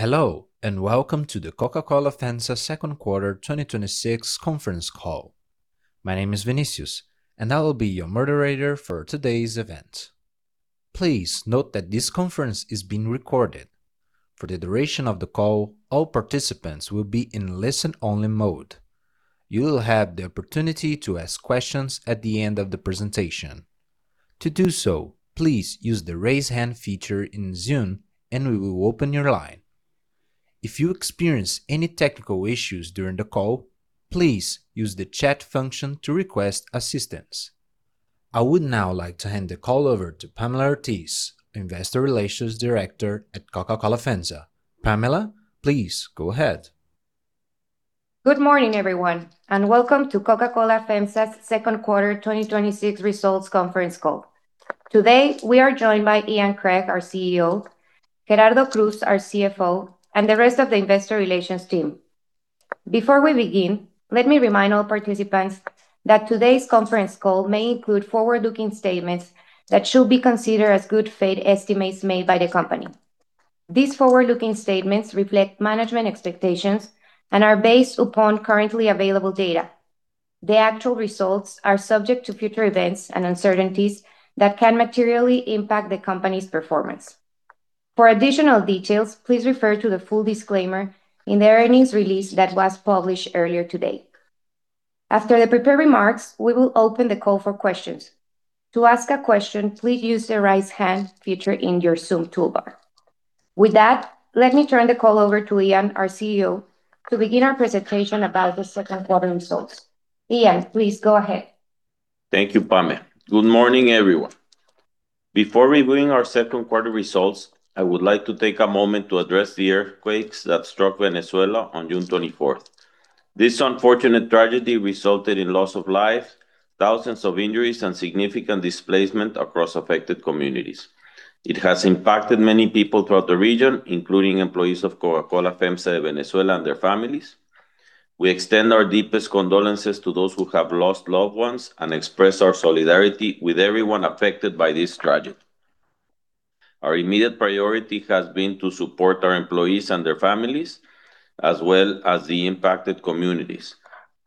Hello, and welcome to the Coca-Cola FEMSA second quarter 2026 conference call. My name is Vinicius, and I will be your moderator for today's event. Please note that this conference is being recorded. For the duration of the call, all participants will be in listen-only mode. You will have the opportunity to ask questions at the end of the presentation. To do so, please use the raise hand feature in Zoom and we will open your line. If you experience any technical issues during the call, please use the chat function to request assistance. I would now like to hand the call over to Pamela Ortiz, Investor Relations Director at Coca-Cola FEMSA. Pamela, please go ahead. Good morning, everyone, and welcome to Coca-Cola FEMSA's second quarter 2026 results conference call. Today, we are joined by Ian Craig, our CEO, Gerardo Cruz, our CFO, and the rest of the Investor Relations team. Before we begin, let me remind all participants that today's conference call may include forward-looking statements that should be considered as good faith estimates made by the company. These forward-looking statements reflect management expectations and are based upon currently available data. The actual results are subject to future events and uncertainties that can materially impact the company's performance. For additional details, please refer to the full disclaimer in the earnings release that was published earlier today. After the prepared remarks, we will open the call for questions. To ask a question, please use the raise hand feature in your Zoom toolbar. With that, let me turn the call over to Ian, our CEO, to begin our presentation about the second quarter results. Ian, please go ahead. Thank you, Pame. Good morning, everyone. Before reviewing our second quarter results, I would like to take a moment to address the earthquakes that struck Venezuela on June 24th. This unfortunate tragedy resulted in loss of life, thousands of injuries, and significant displacement across affected communities. It has impacted many people throughout the region, including employees of Coca-Cola FEMSA Venezuela and their families. We extend our deepest condolences to those who have lost loved ones and express our solidarity with everyone affected by this tragedy. Our immediate priority has been to support our employees and their families, as well as the impacted communities.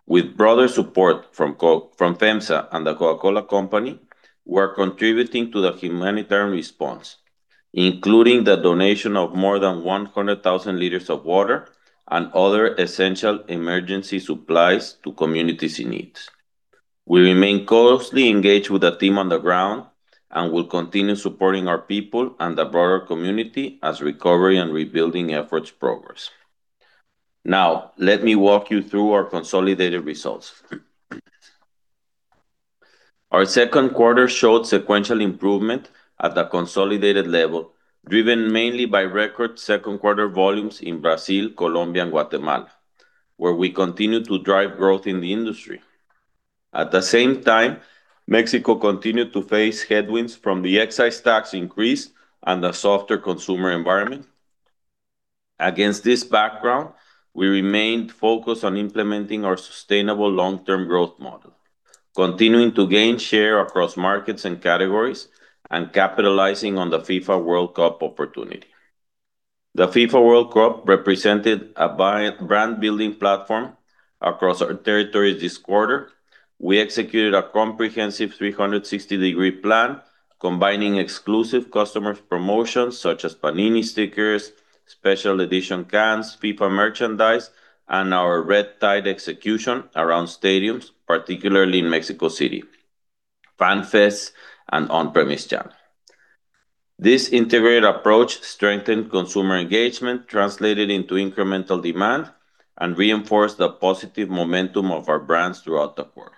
With broader support from FEMSA and The Coca-Cola Company, we're contributing to the humanitarian response, including the donation of more than 100,000 L of water and other essential emergency supplies to communities in need. We remain closely engaged with the team on the ground and will continue supporting our people and the broader community as recovery and rebuilding efforts progress. Now, let me walk you through our consolidated results. Our second quarter showed sequential improvement at the consolidated level, driven mainly by record second quarter volumes in Brazil, Colombia, and Guatemala, where we continued to drive growth in the industry. At the same time, Mexico continued to face headwinds from the excise tax increase and a softer consumer environment. Against this background, we remained focused on implementing our sustainable long-term growth model, continuing to gain share across markets and categories and capitalizing on the FIFA World Cup opportunity. The FIFA World Cup represented a brand-building platform across our territories this quarter. We executed a comprehensive 360-degree plan combining exclusive customer promotions such as Panini stickers, special edition cans, FIFA merchandise, and our Red Tide execution around stadiums, particularly in Mexico City, fan fests, and on-premise channels. This integrated approach strengthened consumer engagement, translated into incremental demand, and reinforced the positive momentum of our brands throughout the quarter.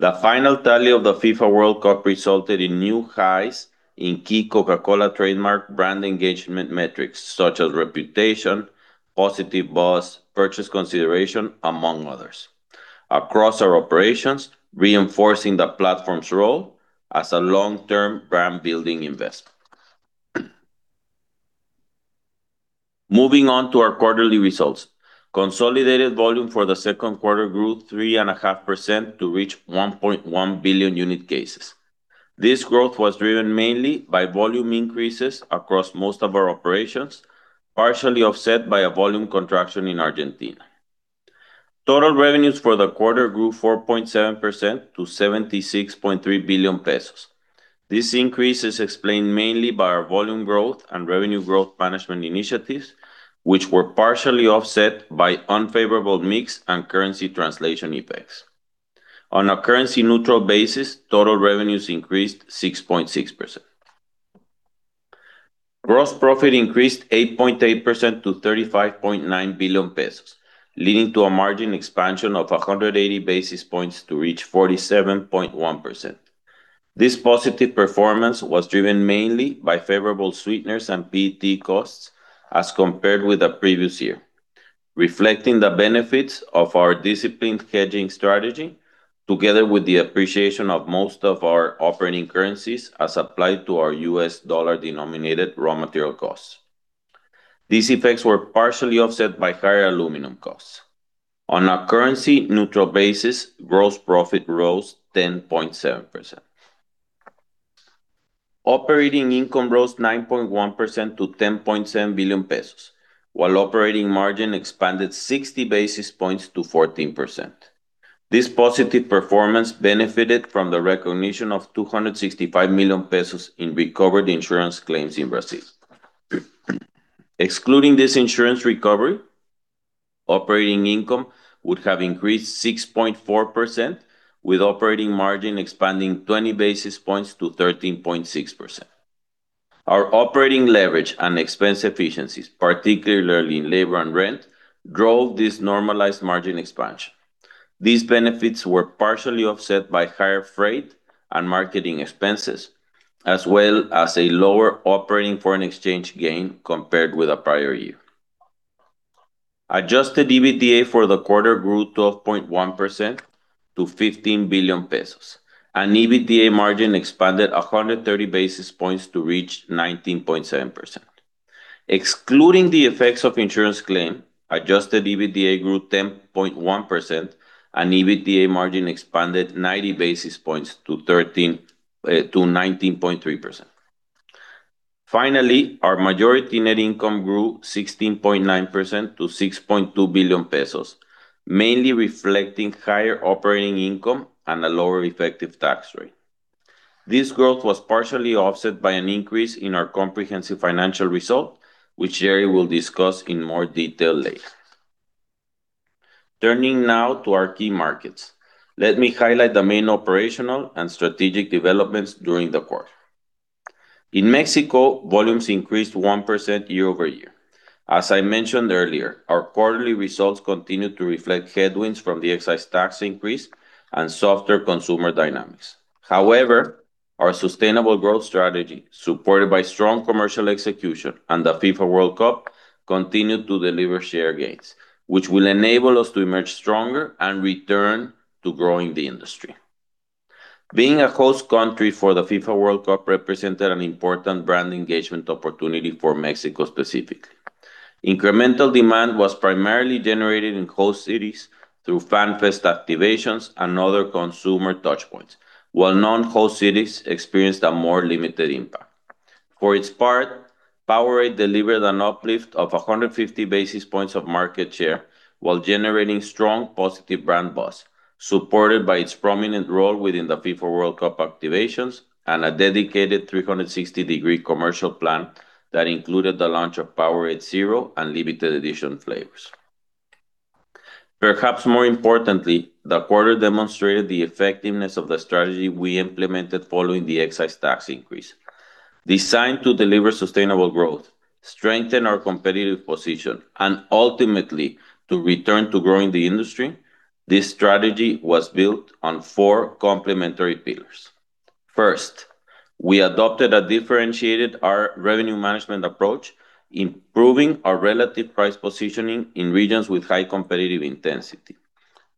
The final tally of the FIFA World Cup resulted in new highs in key Coca-Cola trademark brand engagement metrics, such as reputation, positive buzz, purchase consideration, among others, across our operations, reinforcing the platform's role as a long-term brand-building investment. Moving on to our quarterly results. Consolidated volume for the second quarter grew 3.5% to reach 1.1 billion unit cases. This growth was driven mainly by volume increases across most of our operations, partially offset by a volume contraction in Argentina. Total revenues for the quarter grew 4.7% to 76.3 billion pesos. This increase is explained mainly by our volume growth and revenue growth management initiatives, which were partially offset by unfavorable mix and currency translation effects. On a currency-neutral basis, total revenues increased 6.6%. Gross profit increased 8.8% to 35.9 billion pesos, leading to a margin expansion of 180 basis points to reach 47.1%. This positive performance was driven mainly by favorable sweeteners and PET costs as compared with the previous year, reflecting the benefits of our disciplined hedging strategy together with the appreciation of most of our operating currencies as applied to our U.S. dollar-denominated raw material costs. These effects were partially offset by higher aluminum costs. On a currency-neutral basis, gross profit rose 10.7%. Operating income rose 9.1% to 10.7 billion pesos, while operating margin expanded 60 basis points to 14%. This positive performance benefited from the recognition of 265 million pesos in recovered insurance claims in Brazil. Excluding this insurance recovery, operating income would have increased 6.4%, with operating margin expanding 20 basis points to 13.6%. Our operating leverage and expense efficiencies, particularly in labor and rent, drove this normalized margin expansion. These benefits were partially offset by higher freight and marketing expenses, as well as a lower operating foreign exchange gain compared with the prior year. Adjusted EBITDA for the quarter grew 12.1% to 15 billion pesos, and EBITDA margin expanded 130 basis points to reach 19.7%. Excluding the effects of insurance claim, adjusted EBITDA grew 10.1%, and EBITDA margin expanded 90 basis points to 19.3%. Finally, our majority net income grew 16.9% to 6.2 billion pesos, mainly reflecting higher operating income and a lower effective tax rate. This growth was partially offset by an increase in our comprehensive financial result, which Gerry will discuss in more detail later. Turning now to our key markets, let me highlight the main operational and strategic developments during the quarter. In Mexico, volumes increased 1% year-over-year. As I mentioned earlier, our quarterly results continued to reflect headwinds from the excise tax increase and softer consumer dynamics. However, our sustainable growth strategy, supported by strong commercial execution and the FIFA World Cup, continued to deliver share gains, which will enable us to emerge stronger and return to growing the industry. Being a host country for the FIFA World Cup represented an important brand engagement opportunity for Mexico specifically. Incremental demand was primarily generated in host cities through fan fest activations and other consumer touchpoints, while non-host cities experienced a more limited impact. For its part, POWERADE delivered an uplift of 150 basis points of market share while generating strong positive brand buzz, supported by its prominent role within the FIFA World Cup activations and a dedicated 360-degree commercial plan that included the launch of POWERADE ZERO and limited-edition flavors. Perhaps more importantly, the quarter demonstrated the effectiveness of the strategy we implemented following the excise tax increase. Designed to deliver sustainable growth, strengthen our competitive position, and ultimately to return to growing the industry, this strategy was built on four complementary pillars. First, we adopted a differentiated revenue management approach, improving our relative price positioning in regions with high competitive intensity.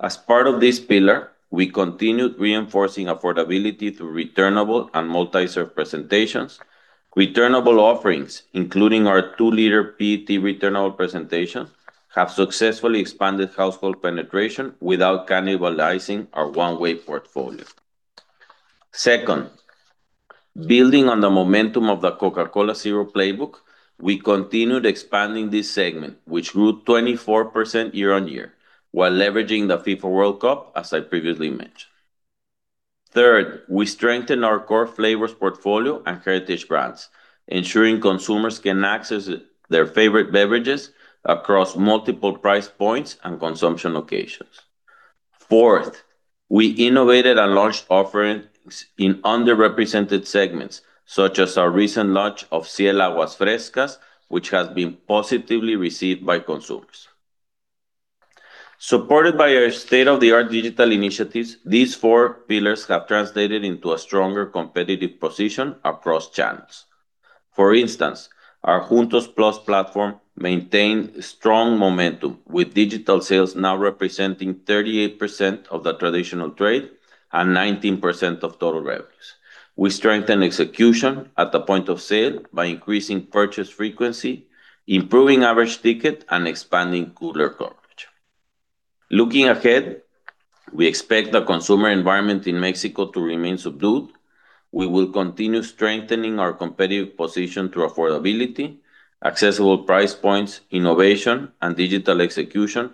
As part of this pillar, we continued reinforcing affordability through returnable and multi-serve presentations. Returnable offerings, including our 2-L PET returnable presentation, have successfully expanded household penetration without cannibalizing our one-way portfolio. Second, building on the momentum of the Coca-Cola Zero playbook, we continued expanding this segment, which grew 24% year-on-year, while leveraging the FIFA World Cup, as I previously mentioned. Third, we strengthened our core flavors portfolio and heritage brands, ensuring consumers can access their favorite beverages across multiple price points and consumption occasions. Fourth, we innovated and launched offerings in underrepresented segments, such as our recent launch of Ciel Aguas Frescas, which has been positively received by consumers. Supported by our state-of-the-art digital initiatives, these four pillars have translated into a stronger competitive position across channels. For instance, our Juntos+ platform maintained strong momentum, with digital sales now representing 38% of the traditional trade and 19% of total revenues. We strengthened execution at the point of sale by increasing purchase frequency, improving average ticket, and expanding cooler coverage. Looking ahead, we expect the consumer environment in Mexico to remain subdued. We will continue strengthening our competitive position through affordability, accessible price points, innovation, and digital execution,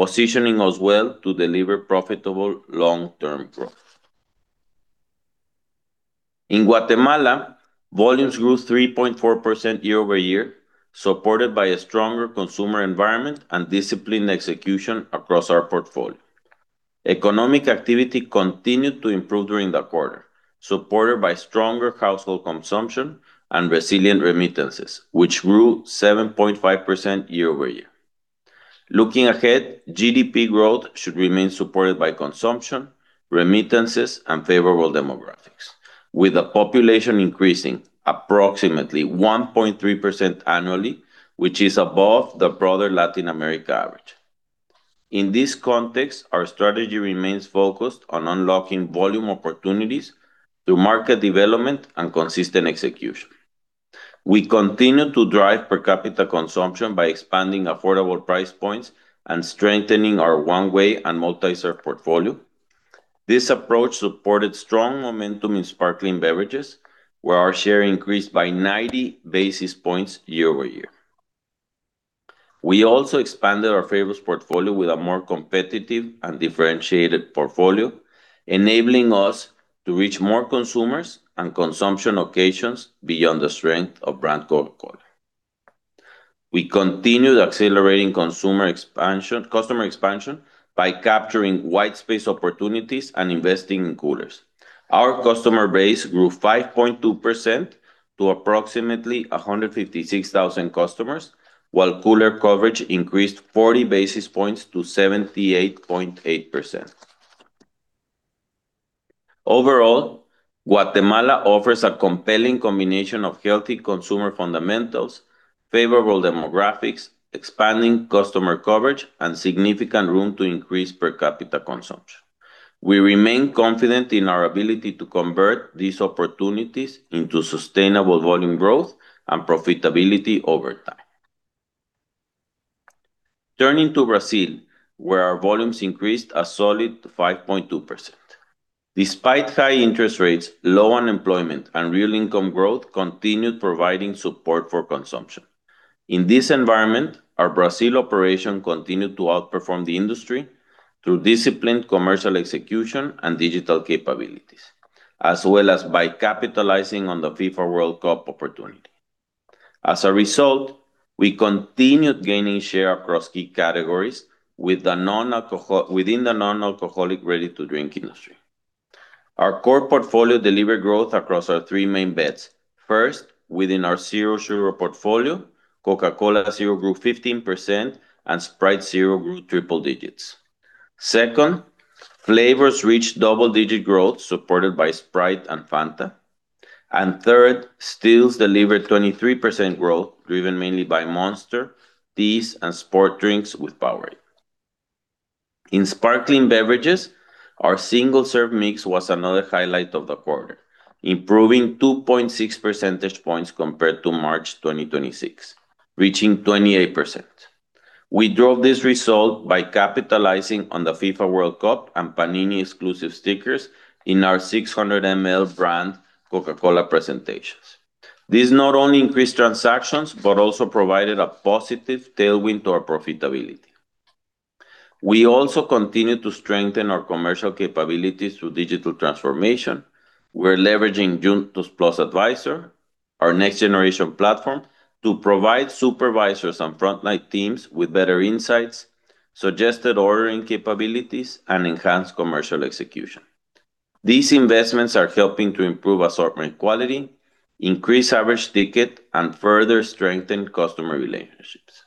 positioning us well to deliver profitable long-term growth. In Guatemala, volumes grew 3.4% year-over-year, supported by a stronger consumer environment and disciplined execution across our portfolio. Economic activity continued to improve during the quarter, supported by stronger household consumption and resilient remittances, which grew 7.5% year-over-year. Looking ahead, GDP growth should remain supported by consumption, remittances, and favorable demographics, with the population increasing approximately 1.3% annually, which is above the broader Latin America average. In this context, our strategy remains focused on unlocking volume opportunities through market development and consistent execution. We continue to drive per capita consumption by expanding affordable price points and strengthening our one-way and multi-serve portfolio. This approach supported strong momentum in sparkling beverages, where our share increased by 90 basis points year-over-year. We also expanded our flavors portfolio with a more competitive and differentiated portfolio, enabling us to reach more consumers and consumption occasions beyond the strength of brand Coca-Cola. We continued accelerating customer expansion by capturing white space opportunities and investing in coolers. Our customer base grew 5.2% to approximately 156,000 customers, while cooler coverage increased 40 basis points to 78.8%. Overall, Guatemala offers a compelling combination of healthy consumer fundamentals, favorable demographics, expanding customer coverage, and significant room to increase per capita consumption. We remain confident in our ability to convert these opportunities into sustainable volume growth and profitability over time. Turning to Brazil, where our volumes increased a solid 5.2%. Despite high interest rates, low unemployment and real income growth continued providing support for consumption. In this environment, our Brazil operation continued to outperform the industry through disciplined commercial execution and digital capabilities, as well as by capitalizing on the FIFA World Cup opportunity. As a result, we continued gaining share across key categories within the non-alcoholic ready-to-drink industry. Our core portfolio delivered growth across our three main bets. First, within our zero-sugar portfolio, Coca-Cola Zero grew 15% and Sprite Zero grew triple digits. Second, flavors reached double-digit growth supported by Sprite and Fanta. And third, stills delivered 23% growth, driven mainly by Monster, teas, and sport drinks with POWERADE. In sparkling beverages, our single-serve mix was another highlight of the quarter, improving 2.6 percentage points compared to March 2026, reaching 28%. We drove this result by capitalizing on the FIFA World Cup and Panini exclusive stickers in our 600 ml brand Coca-Cola presentations. This not only increased transactions, but also provided a positive tailwind to our profitability. We also continued to strengthen our commercial capabilities through digital transformation. We're leveraging Juntos+ Advisor, our next-generation platform, to provide supervisors and frontline teams with better insights, suggested ordering capabilities, and enhanced commercial execution. These investments are helping to improve assortment quality, increase average ticket, and further strengthen customer relationships.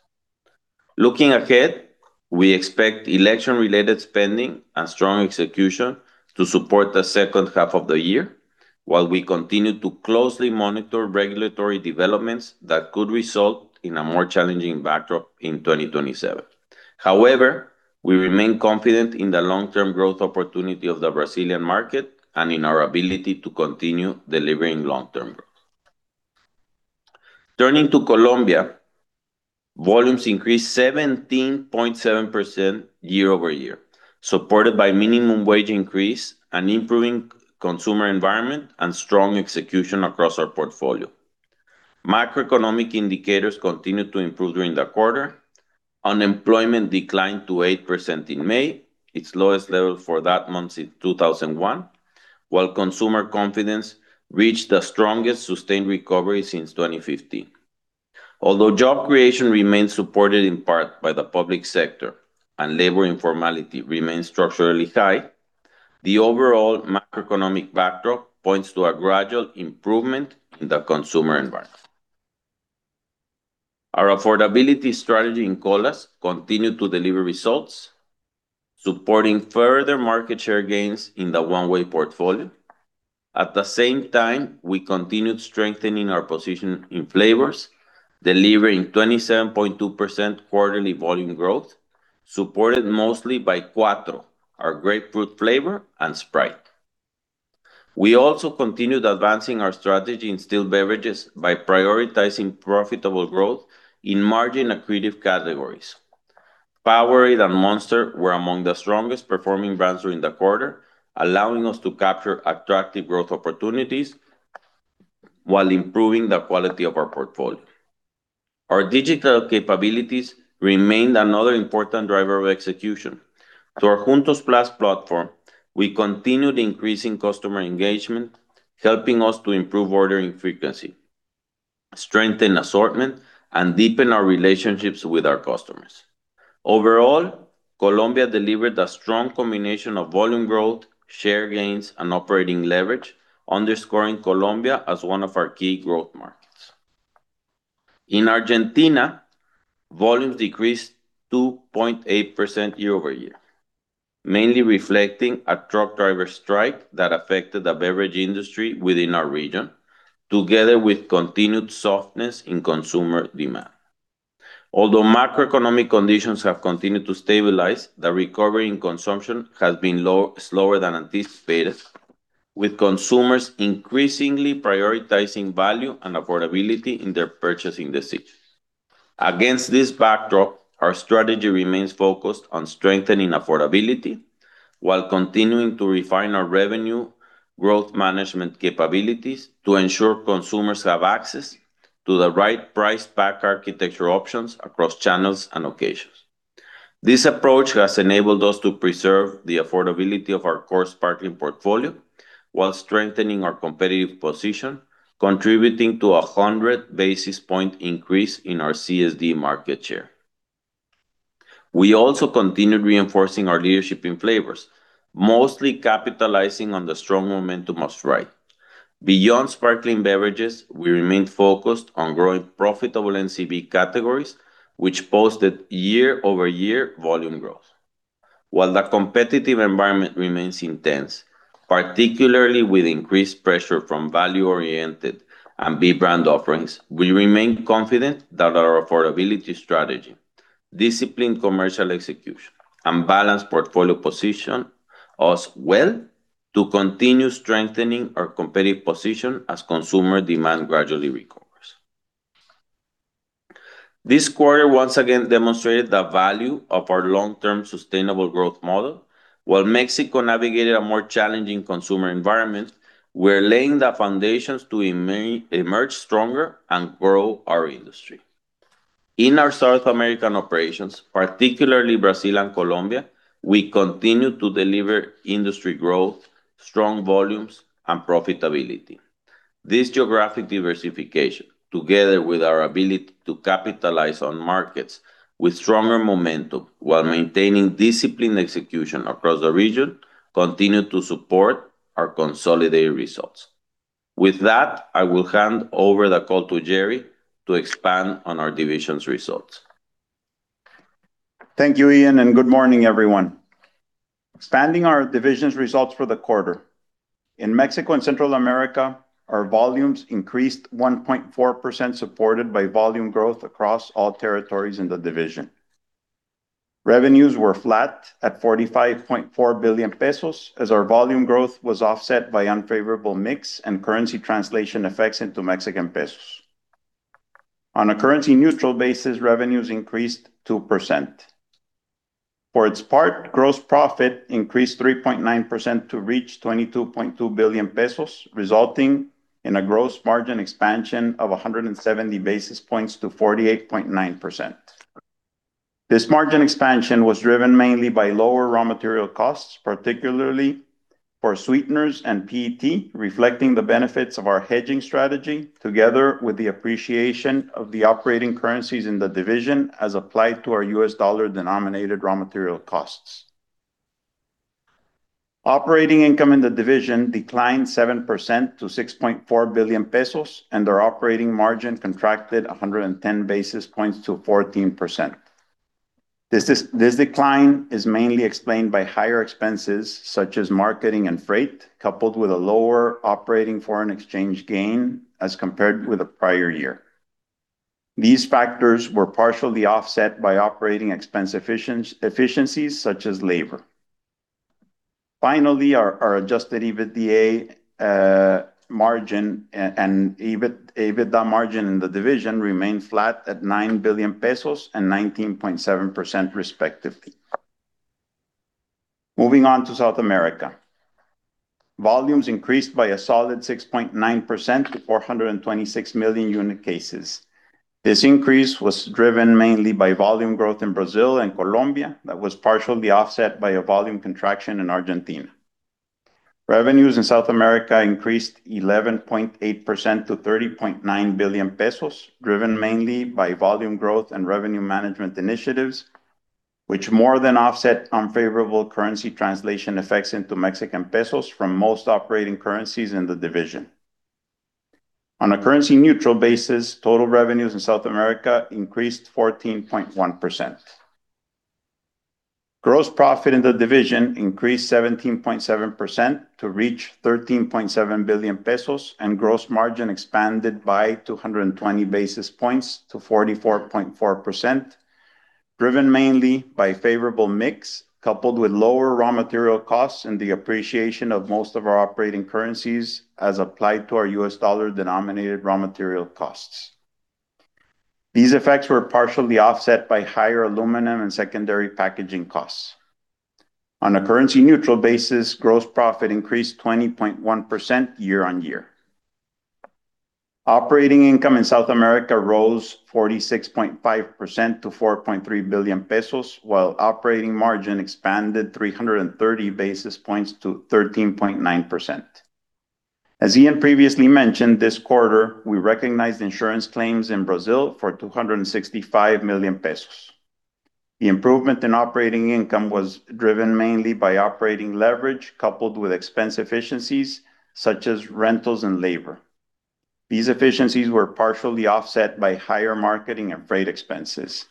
Looking ahead, we expect election-related spending and strong execution to support the second half of the year, while we continue to closely monitor regulatory developments that could result in a more challenging backdrop in 2027. However, we remain confident in the long-term growth opportunity of the Brazilian market and in our ability to continue delivering long-term growth. Turning to Colombia. Volumes increased 17.7% year-over-year, supported by minimum wage increase and improving consumer environment and strong execution across our portfolio. Macroeconomic indicators continued to improve during the quarter. Unemployment declined to 8% in May, its lowest level for that month since 2001, while consumer confidence reached the strongest sustained recovery since 2015. Although job creation remains supported in part by the public sector and labor informality remains structurally high, the overall macroeconomic backdrop points to a gradual improvement in the consumer environment. Our affordability strategy in colas continued to deliver results, supporting further market share gains in the one-way portfolio. At the same time, we continued strengthening our position in flavors, delivering 27.2% quarterly volume growth, supported mostly by QuAtro, our grapefruit flavor, and Sprite. We also continued advancing our strategy in still beverages by prioritizing profitable growth in margin-accretive categories. POWERADE and Monster were among the strongest performing brands during the quarter, allowing us to capture attractive growth opportunities while improving the quality of our portfolio. Our digital capabilities remained another important driver of execution. Through our Juntos+ platform, we continued increasing customer engagement, helping us to improve ordering frequency, strengthen assortment, and deepen our relationships with our customers. Overall, Colombia delivered a strong combination of volume growth, share gains, and operating leverage, underscoring Colombia as one of our key growth markets. In Argentina, volumes decreased 2.8% year-over-year, mainly reflecting a truck driver strike that affected the beverage industry within our region, together with continued softness in consumer demand. Although macroeconomic conditions have continued to stabilize, the recovery in consumption has been slower than anticipated, with consumers increasingly prioritizing value and affordability in their purchasing decisions. Against this backdrop, our strategy remains focused on strengthening affordability while continuing to refine our revenue growth management capabilities to ensure consumers have access to the right price-pack architecture options across channels and locations. This approach has enabled us to preserve the affordability of our core sparkling portfolio while strengthening our competitive position, contributing to 100-basis-point increase in our CSD market share. We also continued reinforcing our leadership in flavors, mostly capitalizing on the strong momentum of Sprite. Beyond sparkling beverages, we remained focused on growing profitable NCB categories, which posted year-over-year volume growth. While the competitive environment remains intense, particularly with increased pressure from value-oriented and B-brand offerings, we remain confident that our affordability strategy, disciplined commercial execution, and balanced portfolio position us well to continue strengthening our competitive position as consumer demand gradually recovers. This quarter once again demonstrated the value of our long-term sustainable growth model. While Mexico navigated a more challenging consumer environment, we're laying the foundations to emerge stronger and grow our industry. In our South American operations, particularly Brazil and Colombia, we continue to deliver industry growth, strong volumes, and profitability. This geographic diversification, together with our ability to capitalize on markets with stronger momentum while maintaining disciplined execution across the region, continue to support our consolidated results. With that, I will hand over the call to Gerry to expand on our division's results. Thank you, Ian, and good morning, everyone. Expanding our division's results for the quarter. In Mexico and Central America, our volumes increased 1.4%, supported by volume growth across all territories in the division. Revenues were flat at 45.4 billion pesos, as our volume growth was offset by unfavorable mix and currency translation effects into Mexican pesos. On a currency-neutral basis, revenues increased 2%. For its part, gross profit increased 3.9% to reach 22.2 billion pesos, resulting in a gross margin expansion of 170 basis points to 48.9%. This margin expansion was driven mainly by lower raw material costs, particularly for sweeteners and PET, reflecting the benefits of our hedging strategy, together with the appreciation of the operating currencies in the division as applied to our U.S. dollar-denominated raw material costs. Operating income in the division declined 7% to 6.4 billion pesos, and our operating margin contracted 110 basis points to 14%. This decline is mainly explained by higher expenses such as marketing and freight, coupled with a lower operating foreign exchange gain as compared with the prior year. These factors were partially offset by operating expense efficiencies, such as labor. Finally, our adjusted EBITDA margin and EBITDA margin in the division remained flat at 9 billion pesos and 19.7% respectively. Moving on to South America. Volumes increased by a solid 6.9% to 426 million unit cases. This increase was driven mainly by volume growth in Brazil and Colombia that was partially offset by a volume contraction in Argentina. Revenues in South America increased 11.8% to 30.9 billion pesos, driven mainly by volume growth and revenue management initiatives, which more than offset unfavorable currency translation effects into Mexican pesos from most operating currencies in the division. On a currency-neutral basis, total revenues in South America increased 14.1%. Gross profit in the division increased 17.7% to reach 13.7 billion pesos, and gross margin expanded by 220 basis points to 44.4%, driven mainly by favorable mix, coupled with lower raw material costs and the appreciation of most of our operating currencies as applied to our U.S. dollar-denominated raw material costs. These effects were partially offset by higher aluminum and secondary packaging costs. On a currency-neutral basis, gross profit increased 20.1% year-on-year. Operating income in South America rose 46.5% to 4.3 billion pesos, while operating margin expanded 330 basis points to 13.9%. As Ian previously mentioned, this quarter, we recognized insurance claims in Brazil for 265 million pesos. The improvement in operating income was driven mainly by operating leverage, coupled with expense efficiencies such as rentals and labor. These efficiencies were partially offset by higher marketing and freight expenses.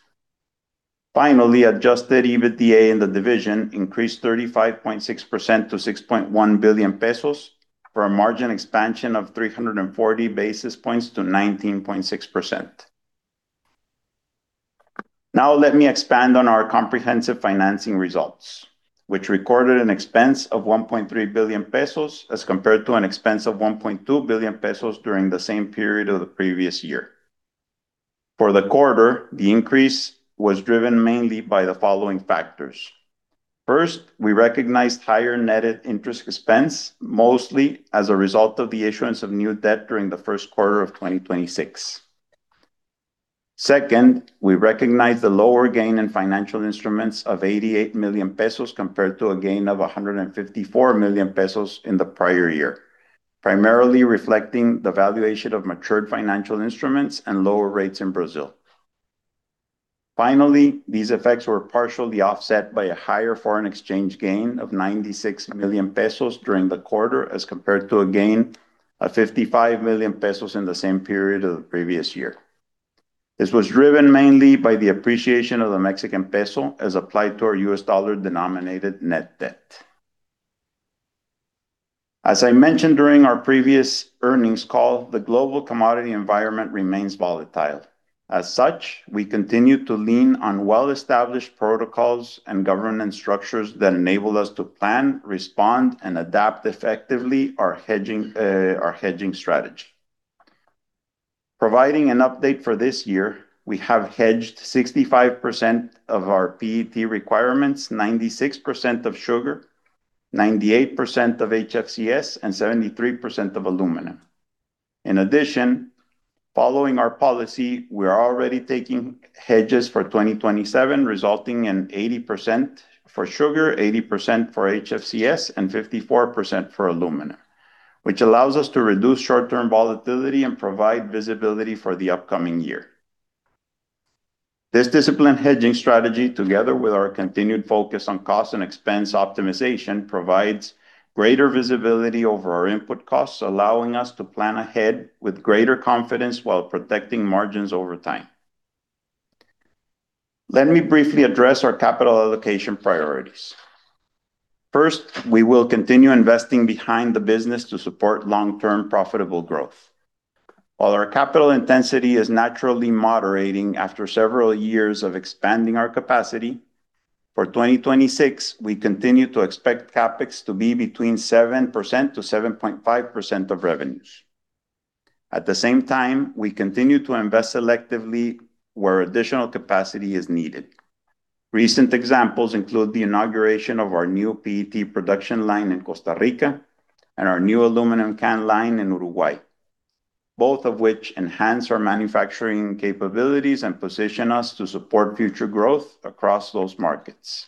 Finally, adjusted EBITDA in the division increased 35.6% to 6.1 billion pesos, for a margin expansion of 340 basis points to 19.6%. Now, let me expand on our comprehensive financing results, which recorded an expense of 1.3 billion pesos as compared to an expense of 1.2 billion pesos during the same period of the previous year. For the quarter, the increase was driven mainly by the following factors. First, we recognized higher net interest expense, mostly as a result of the issuance of new debt during the first quarter of 2026. Second, we recognized the lower gain in financial instruments of 88 million pesos, compared to a gain of 154 million pesos in the prior year, primarily reflecting the valuation of matured financial instruments and lower rates in Brazil. Finally, these effects were partially offset by a higher foreign exchange gain of 96 million pesos during the quarter, as compared to a gain of 55 million pesos in the same period of the previous year. This was driven mainly by the appreciation of the Mexican peso as applied to our U.S. dollar-denominated net debt. As I mentioned during our previous earnings call, the global commodity environment remains volatile. As such, we continue to lean on well-established protocols and governance structures that enable us to plan, respond, and adapt effectively our hedging strategy. Providing an update for this year, we have hedged 65% of our PET requirements, 96% of sugar, 98% of HFCS, and 73% of aluminum. In addition, following our policy, we are already taking hedges for 2027, resulting in 80% for sugar, 80% for HFCS, and 54% for aluminum, which allows us to reduce short-term volatility and provide visibility for the upcoming year. This disciplined hedging strategy, together with our continued focus on cost and expense optimization, provides greater visibility over our input costs, allowing us to plan ahead with greater confidence while protecting margins over time. Let me briefly address our capital allocation priorities. First, we will continue investing behind the business to support long-term profitable growth. While our capital intensity is naturally moderating after several years of expanding our capacity, for 2026, we continue to expect CapEx to be between 7%-7.5% of revenues. At the same time, we continue to invest selectively where additional capacity is needed. Recent examples include the inauguration of our new PET production line in Costa Rica and our new aluminum can line in Uruguay, both of which enhance our manufacturing capabilities and position us to support future growth across those markets.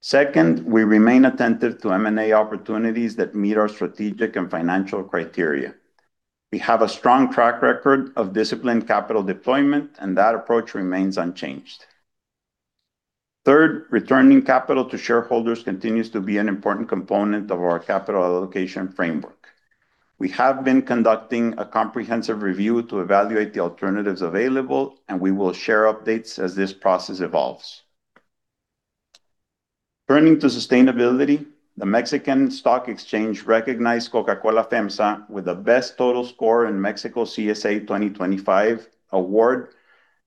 Second, we remain attentive to M&A opportunities that meet our strategic and financial criteria. We have a strong track record of disciplined capital deployment, and that approach remains unchanged. Third, returning capital to shareholders continues to be an important component of our capital allocation framework. We have been conducting a comprehensive review to evaluate the alternatives available, and we will share updates as this process evolves. Turning to sustainability, the Mexican Stock Exchange recognized Coca-Cola FEMSA with the best total score in Mexico CSA 2025 award,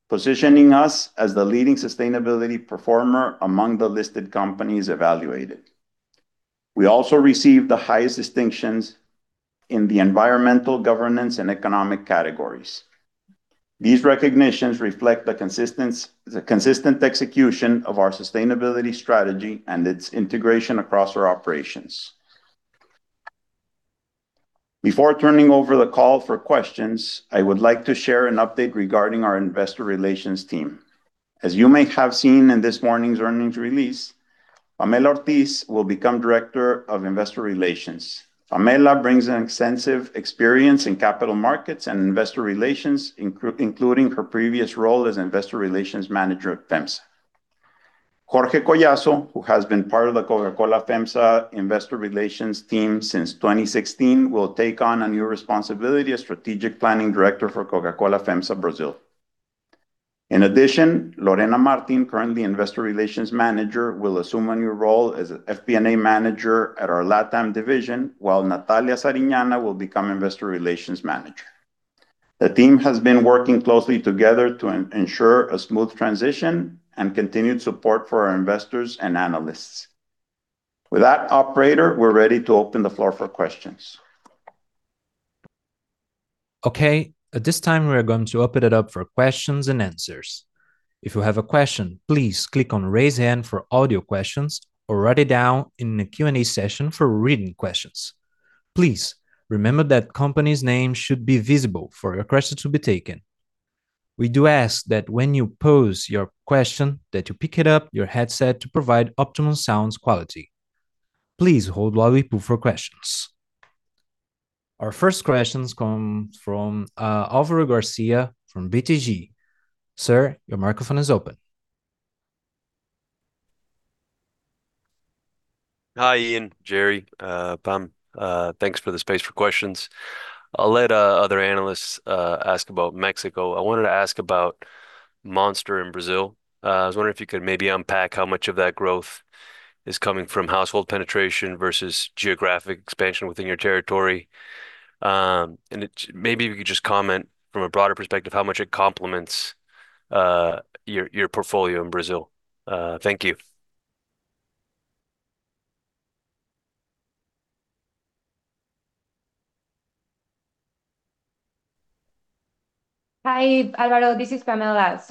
positioning us as the leading sustainability performer among the listed companies evaluated. We also received the highest distinctions in the environmental, governance, and economic categories. These recognitions reflect the consistent execution of our sustainability strategy and its integration across our operations. Before turning over the call for questions, I would like to share an update regarding our Investor Relations team. As you may have seen in this morning's earnings release, Pamela Ortiz will become Director of Investor Relations. Pamela brings an extensive experience in capital markets and investor relations, including her previous role as Investor Relations Manager at FEMSA. Jorge Collazo, who has been part of the Coca-Cola FEMSA Investor Relations team since 2016, will take on a new responsibility as Strategic Planning Director for Coca-Cola FEMSA Brazil. In addition, Lorena Martin, currently Investor Relations Manager, will assume a new role as FP&A Manager at our LatAm division, while Natalia Sariñana will become Investor Relations Manager. The team has been working closely together to ensure a smooth transition and continued support for our investors and analysts. With that, operator, we're ready to open the floor for questions. Okay, at this time, we are going to open it up for questions and answers. If you have a question, please click on Raise Hand for audio questions, or write it down in the Q&A session for written questions. Please remember that company's name should be visible for your question to be taken. We do ask that when you pose your question, that you pick up your headset to provide optimum sound quality. Please hold while we pull for questions. Our first question comes from Alvaro Garcia from BTG. Sir, your microphone is open. Hi, Ian, Gerry, Pam. Thanks for the space for questions. I will let other analysts ask about Mexico. I wanted to ask about Monster in Brazil. I was wondering if you could maybe unpack how much of that growth is coming from household penetration versus geographic expansion within your territory. Maybe, if you could just comment, from a broader perspective, how much it complements your portfolio in Brazil. Thank you. Hi, Alvaro. This is Pamela.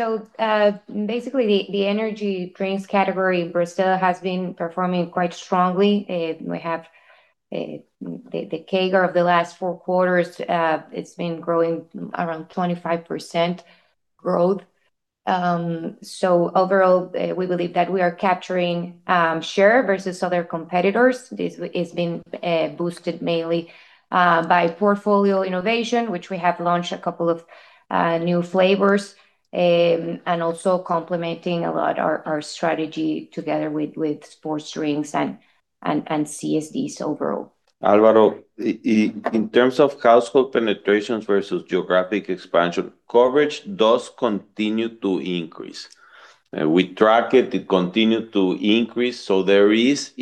Basically, the energy drinks category in Brazil has been performing quite strongly. We have the CAGR of the last four quarters. It has been growing around 25% growth. Overall, we believe that we are capturing share versus other competitors. This is being boosted mainly by portfolio innovation, which we have launched a couple of new flavors, and also complementing a lot our strategy together with sports drinks and CSDs overall. Alvaro, in terms of household penetration versus geographic expansion, coverage does continue to increase. We track it, it continues to increase. There is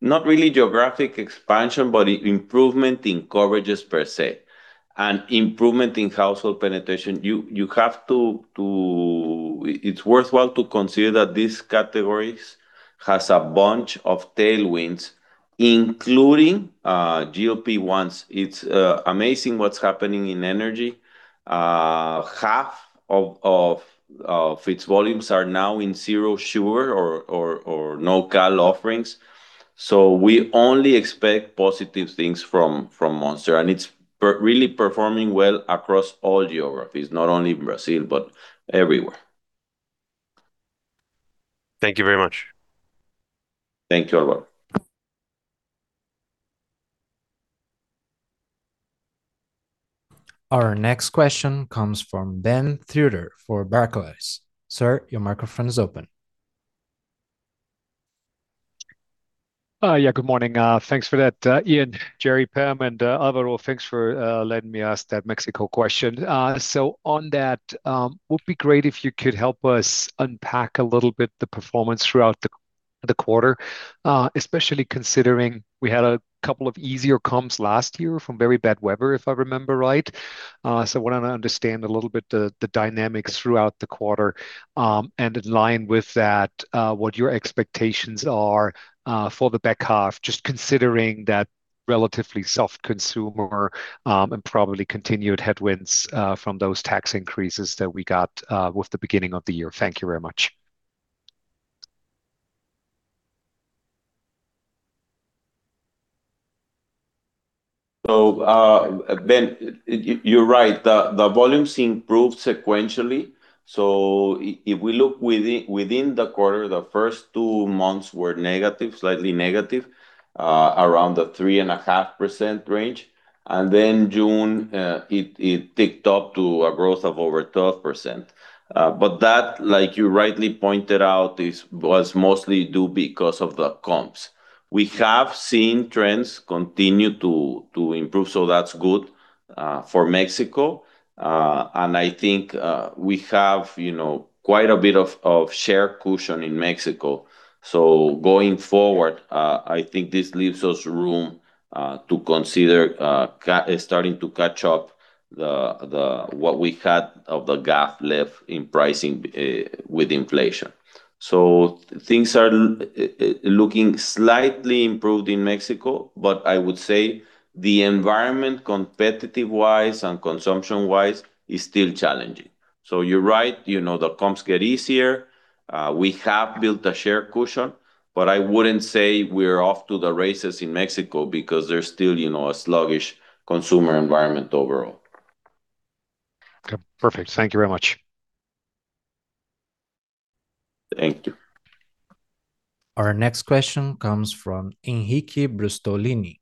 not really geographic expansion, but improvement in coverage per se and improvement in household penetration. It is worthwhile to consider that these categories have a bunch of tailwinds, including GLP-1s. It is amazing what is happening in energy. Half of its volumes are now in zero sugar or no-cal offerings. We only expect positive things from Monster, and it is really performing well across all geographies, not only in Brazil, but everywhere. Thank you very much. Thank you, Alvaro. Our next question comes from Ben Theurer for Barclays. Sir, your microphone is open. Yeah. Good morning. Thanks for that, Ian, Gerry, Pam, and Alvaro, thanks for letting me ask that Mexico question. On that, would be great if you could help us unpack a little bit the performance throughout the quarter, especially considering we had a couple of easier comps last year from very bad weather, if I remember right. I want to understand a little bit the dynamics throughout the quarter, and in line with that, what your expectations are for the back half, just considering that relatively soft consumer, and probably continued headwinds from those tax increases that we got with the beginning of the year. Thank you very much. Ben, you're right. The volumes improved sequentially. If we look within the quarter, the first two months were negative, slightly negative, around the 3.5% range. And then June, it ticked up to a growth of over 12%. But that, like you rightly pointed out, was mostly due because of the comps. We have seen trends continue to improve, so that's good for Mexico, and I think we have quite a bit of share cushion in Mexico. Going forward, I think this leaves us room to consider starting to catch up what we had of the gap left in pricing with inflation. Things are looking slightly improved in Mexico, but I would say the environment, competitive-wise and consumption-wise, is still challenging. You're right, the comps get easier. We have built a share cushion, but I wouldn't say we're off to the races in Mexico because there's still a sluggish consumer environment overall. Okay, perfect. Thank you very much. Thank you. Our next question comes from Henrique Brustolin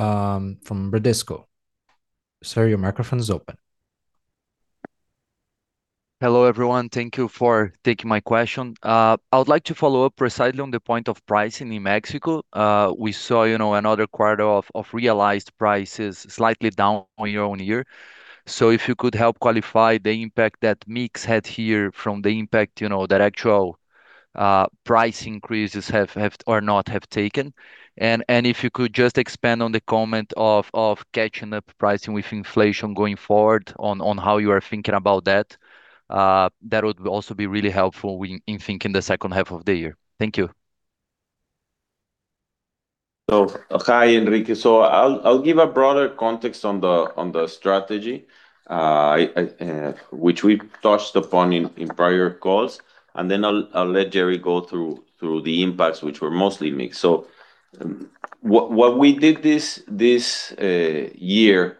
from Bradesco. Sir, your microphone is open. Hello, everyone. Thank you for taking my question. I would like to follow up precisely on the point of pricing in Mexico. We saw another quarter of realized prices slightly down on year-on-year. So, if you could help qualify the impact that mix had here from the impact that actual price increases have or not have taken. And if you could just expand on the comment of catching up pricing with inflation going forward on how you are thinking about that, that would also be really helpful in thinking the second half of the year. Thank you. Hi, Henrique. I'll give a broader context on the strategy, which we've touched upon in prior calls, and then I'll let Gerry go through the impacts, which were mostly mix. What we did this year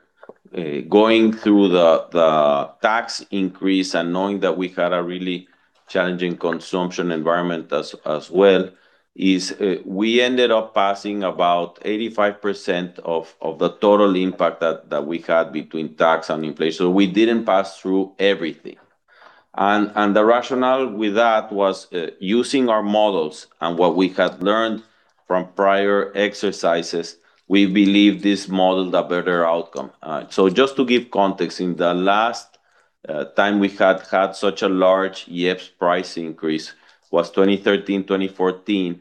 going through the tax increase and knowing that we had a really challenging consumption environment as well, is we ended up passing about 85% of the total impact that we had between tax and inflation. We didn't pass through everything. The rationale with that was using our models and what we had learned from prior exercises, we believe this modeled a better outcome. Just to give context, in the last time we had had such a large IEPS price increase was 2013, 2014.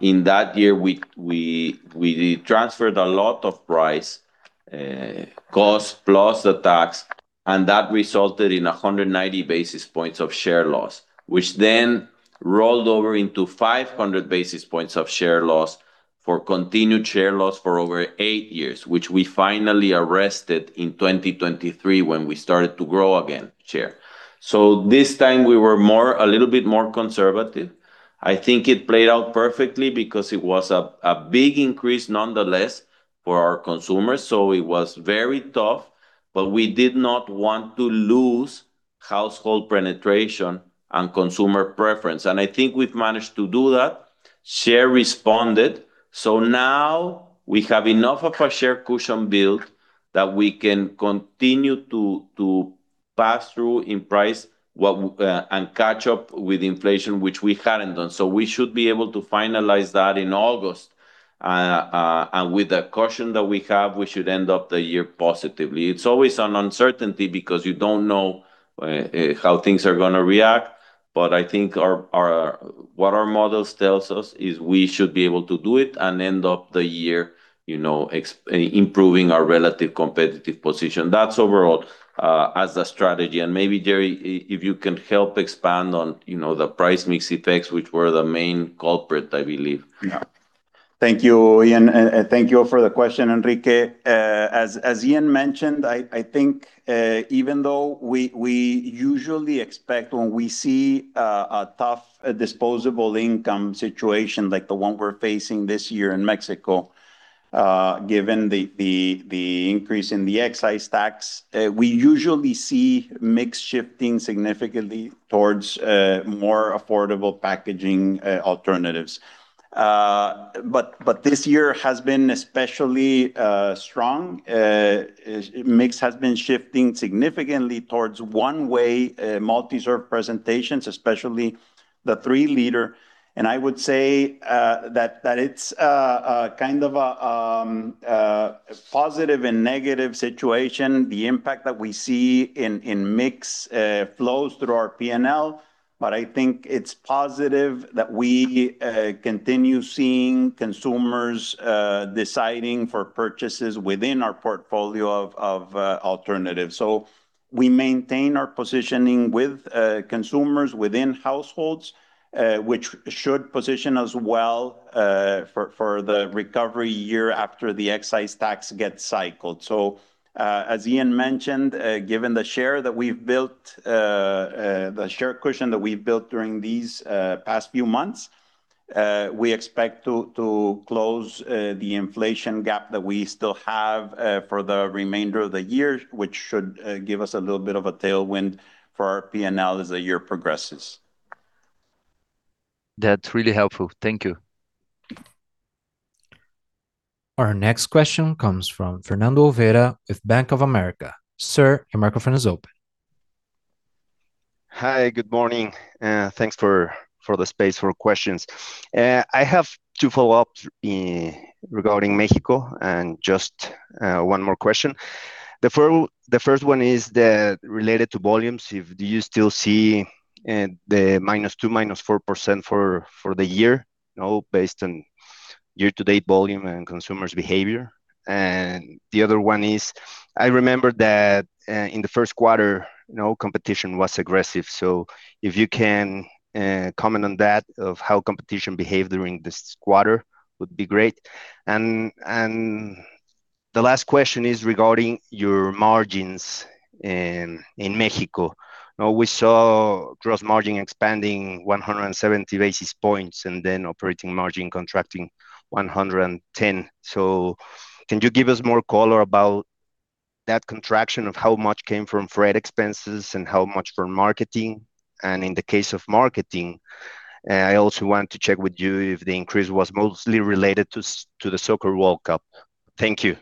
In that year, we transferred a lot of price, cost plus the tax, and that resulted in 190 basis points of share loss, which then rolled over into 500 basis points of share loss for continued share loss for over eight years, which we finally arrested in 2023 when we started to grow again, share. This time, we were a little bit more conservative. I think it played out perfectly because it was a big increase nonetheless for our consumers, so it was very tough, but we did not want to lose household penetration and consumer preference. I think we've managed to do that. Share responded. So now, we have enough of a share cushion built that we can continue to pass through in price and catch up with inflation, which we hadn't done. We should be able to finalize that in August. With the caution that we have, we should end up the year positively. It's always an uncertainty because you don't know how things are going to react, but I think what our models tells us is we should be able to do it and end up the year improving our relative competitive position. That's overall as a strategy. Maybe, Gerry, if you can help expand on the price mix effects, which were the main culprit, I believe. Yeah. Thank you, Ian, and thank you for the question, Henrique. As Ian mentioned, I think, even though we usually expect when we see a tough disposable income situation like the one we're facing this year in Mexico, given the increase in the excise tax, we usually see mix shifting significantly towards more affordable packaging alternatives. But this year has been especially strong. Mix has been shifting significantly towards one-way, multi-serve presentations, especially the 3-L and I would say that it's a kind of a positive and negative situation. The impact that we see in mix flows through our P&L, but I think it's positive that we continue seeing consumers deciding for purchases within our portfolio of alternatives. We maintain our positioning with consumers within households which should position us well for the recovery year after the excise tax gets cycled. As Ian mentioned, given the share cushion that we've built during these past few months, we expect to close the inflation gap that we still have for the remainder of the year, which should give us a little bit of a tailwind for our P&L as the year progresses. That's really helpful. Thank you. Our next question comes from Fernando Olvera with Bank of America. Sir, your microphone is open. Hi, good morning. Thanks for the space for questions. I have two follow-ups regarding Mexico and just one more question. The first one is related to volumes. Do you still see the -2%, -4% for the year based on year-to-date volume and consumers' behavior? The other one is, I remember that in the first quarter, competition was aggressive, so if you can comment on that, of how competition behaved during this quarter, would be great. The last question is regarding your margins in Mexico. We saw gross margin expanding 170 basis points and then operating margin contracting 110 basis points. Can you give us more color about that contraction of how much came from freight expenses and how much for marketing? In the case of marketing, I also want to check with you if the increase was mostly related to the FIFA World Cup. Thank you.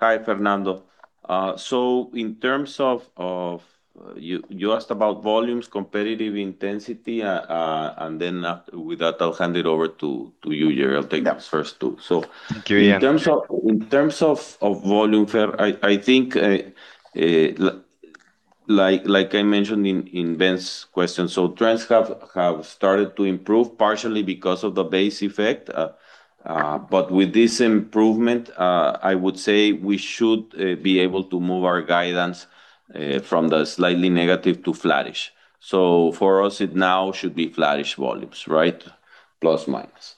Hi, Fernando. In terms of, you asked about volumes, competitive intensity. And then, with that, I'll hand it over to you, Gerry. I'll take those first two. Thank you, Ian. In terms of volume, Fer, I think like I mentioned in Ben's question, trends have started to improve partially because of the base effect. With this improvement, I would say we should be able to move our guidance from the slightly negative to flattish. For us, it now should be flattish volumes, right? Plus, minus.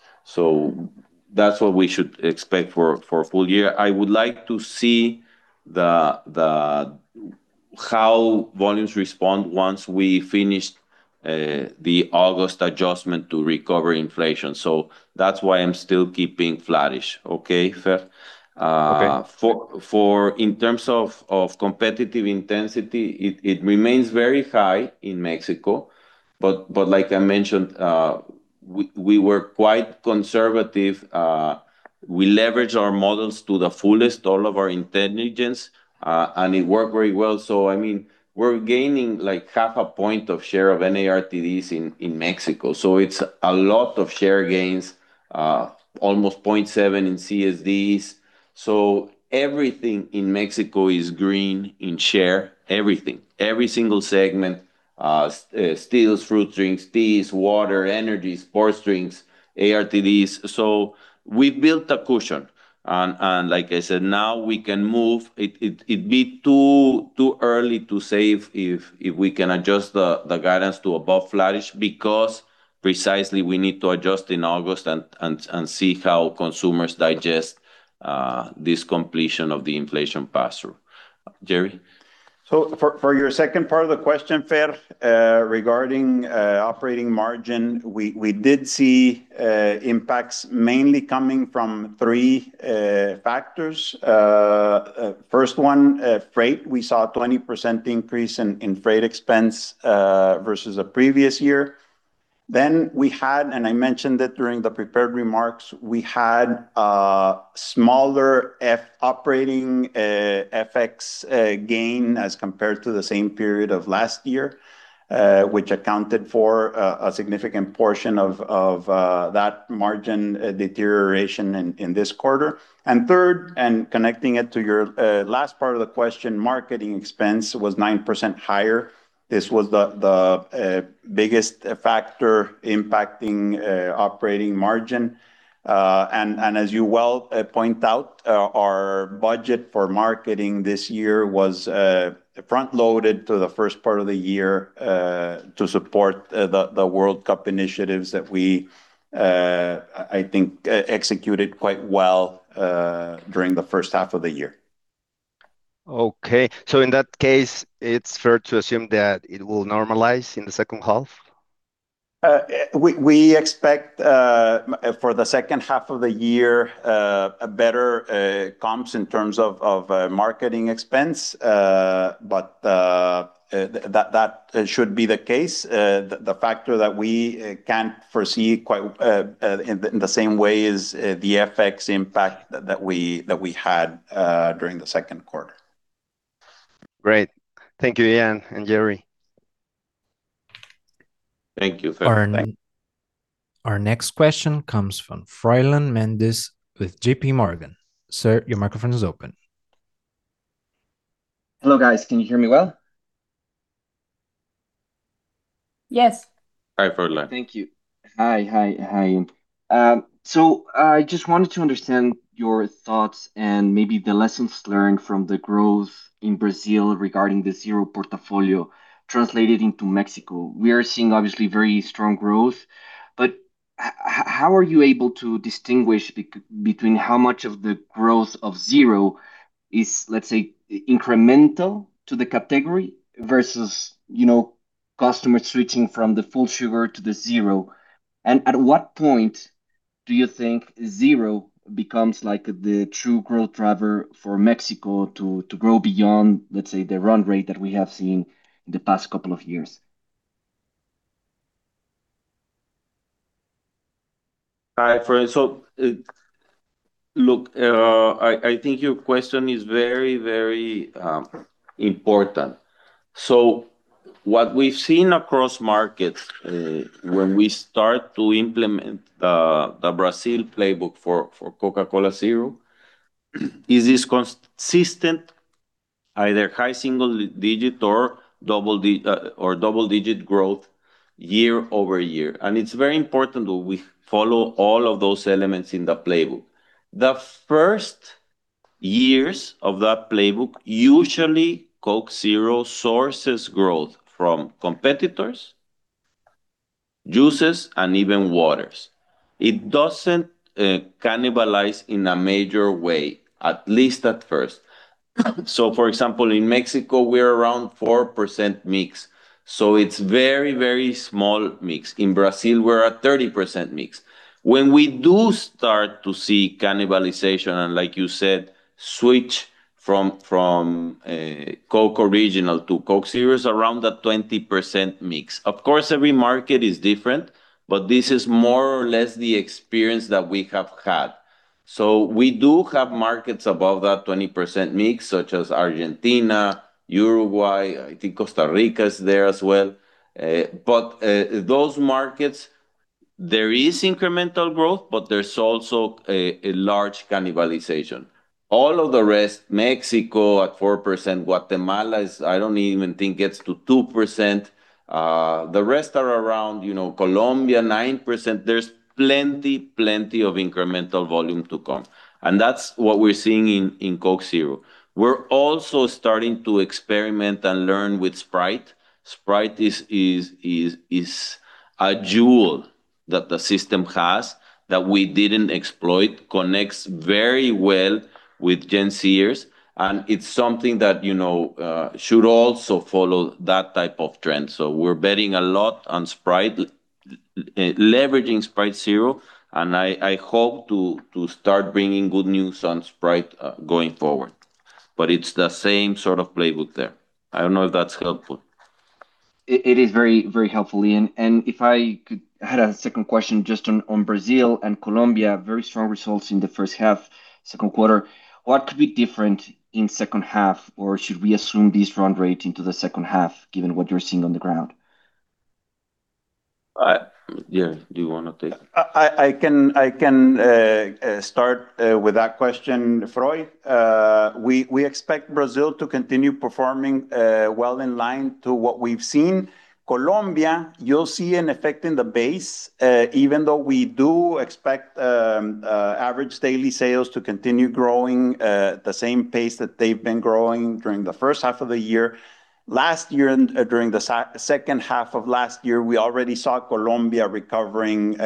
That's what we should expect for a full year. I would like to see how volumes respond once we finish the August adjustment to recover inflation. That's why I'm still keeping flattish, okay, Fer? Okay. In terms of competitive intensity, it remains very high in Mexico. Like I mentioned, we were quite conservative. We leveraged our models to the fullest, all of our intelligence, and it worked very well. So, I mean, we're gaining like half a point of share of NARTDs in Mexico, so it's a lot of share gains, almost 0.7% in CSDs. Everything in Mexico is green in share, everything. Every single segment, stills, fruit drinks, teas, water, energy, sports drinks, ARTDs. So, we've built a cushion. Like I said, now, we can move. It'd be too early to say if we can adjust the guidance to above flattish, because precisely we need to adjust in August and see how consumers digest this completion of the inflation pass-through. Gerry? For your second part of the question, Fer, regarding operating margin, we did see impacts mainly coming from three factors. First one, freight. We saw a 20% increase in freight expense versus the previous year. Then, we had, and I mentioned it during the prepared remarks, we had a smaller operating FX gain as compared to the same period of last year, which accounted for a significant portion of that margin deterioration in this quarter. And third and connecting it to your last part of the question, marketing expense was 9% higher. This was the biggest factor impacting operating margin. As you well point out, our budget for marketing this year was front-loaded to the first part of the year to support the World Cup initiatives that we, I think, executed quite well during the first half of the year. Okay. In that case, it's fair to assume that it will normalize in the second half? We expect, for the second half of the year, a better comps in terms of marketing expense. That should be the case. The factor that we cannot foresee quite in the same way is the FX impact that we had during the second quarter. Great. Thank you, Ian and Gerry. Thank you, Fer. Our next question comes from Froylan Mendez with JPMorgan. Sir, your microphone is open. Hello, guys. Can you hear me well? Yes. Hi, Froylan. Thank you. Hi. I just wanted to understand your thoughts and maybe the lessons learned from the growth in Brazil regarding the Zero-portfolio translated into Mexico. We are seeing obviously very strong growth, but how are you able to distinguish between how much of the growth of Zero is, let's say, incremental to the category versus customer switching from the full sugar to the Zero? At what point do you think Zero becomes the true growth driver for Mexico to grow beyond, let's say, the run rate that we have seen in the past couple of years? Hi, Froylan. Look, I think your question is very, very important. What we've seen across markets when we start to implement the Brazil playbook for Coca-Cola Zero is this consistent, either high single digit or double-digit growth year-over-year. It's very important that we follow all of those elements in the playbook. The first years of that playbook, usually, Coke Zero sources growth from competitors, juices, and even waters. It doesn't cannibalize in a major way, at least at first. For example, in Mexico, we're around 4% mix, so it's very, very small mix. In Brazil, we're at 30% mix. When we do start to see cannibalization and, like you said, switch from Coke original to Coke Zero is around that 20% mix. Of course, every market is different, but this is more or less the experience that we have had. We do have markets above that 20% mix, such as Argentina, Uruguay, I think Costa Rica is there as well. But those markets, there is incremental growth, but there's also a large cannibalization. All of the rest, Mexico at 4%, Guatemala is, I don't even think gets to 2%. The rest are around Colombia, 9%. There's plenty, plenty of incremental volume to come. That's what we're seeing in Coke Zero. We're also starting to experiment and learn with Sprite. Sprite is a jewel that the system has that we didn't exploit, connects very well with Gen Z-ers, and it's something that should also follow that type of trend. We're betting a lot on Sprite, leveraging Sprite Zero, and I hope to start bringing good news on Sprite going forward. But it's the same sort of playbook there. I don't know if that's helpful. It is very helpful, Ian. If I could, I had a second question just on Brazil and Colombia, very strong results in the first half, second quarter. What could be different in second half, or should we assume this run rate into the second half given what you're seeing on the ground? Ger, do you want to take? I can start with that question, Froy. We expect Brazil to continue performing well in line to what we've seen. Colombia, you'll see an effect in the base, even though we do expect average daily sales to continue growing at the same pace that they've been growing during the first half of the year. Last year and during the second half of last year, we already saw Colombia recovering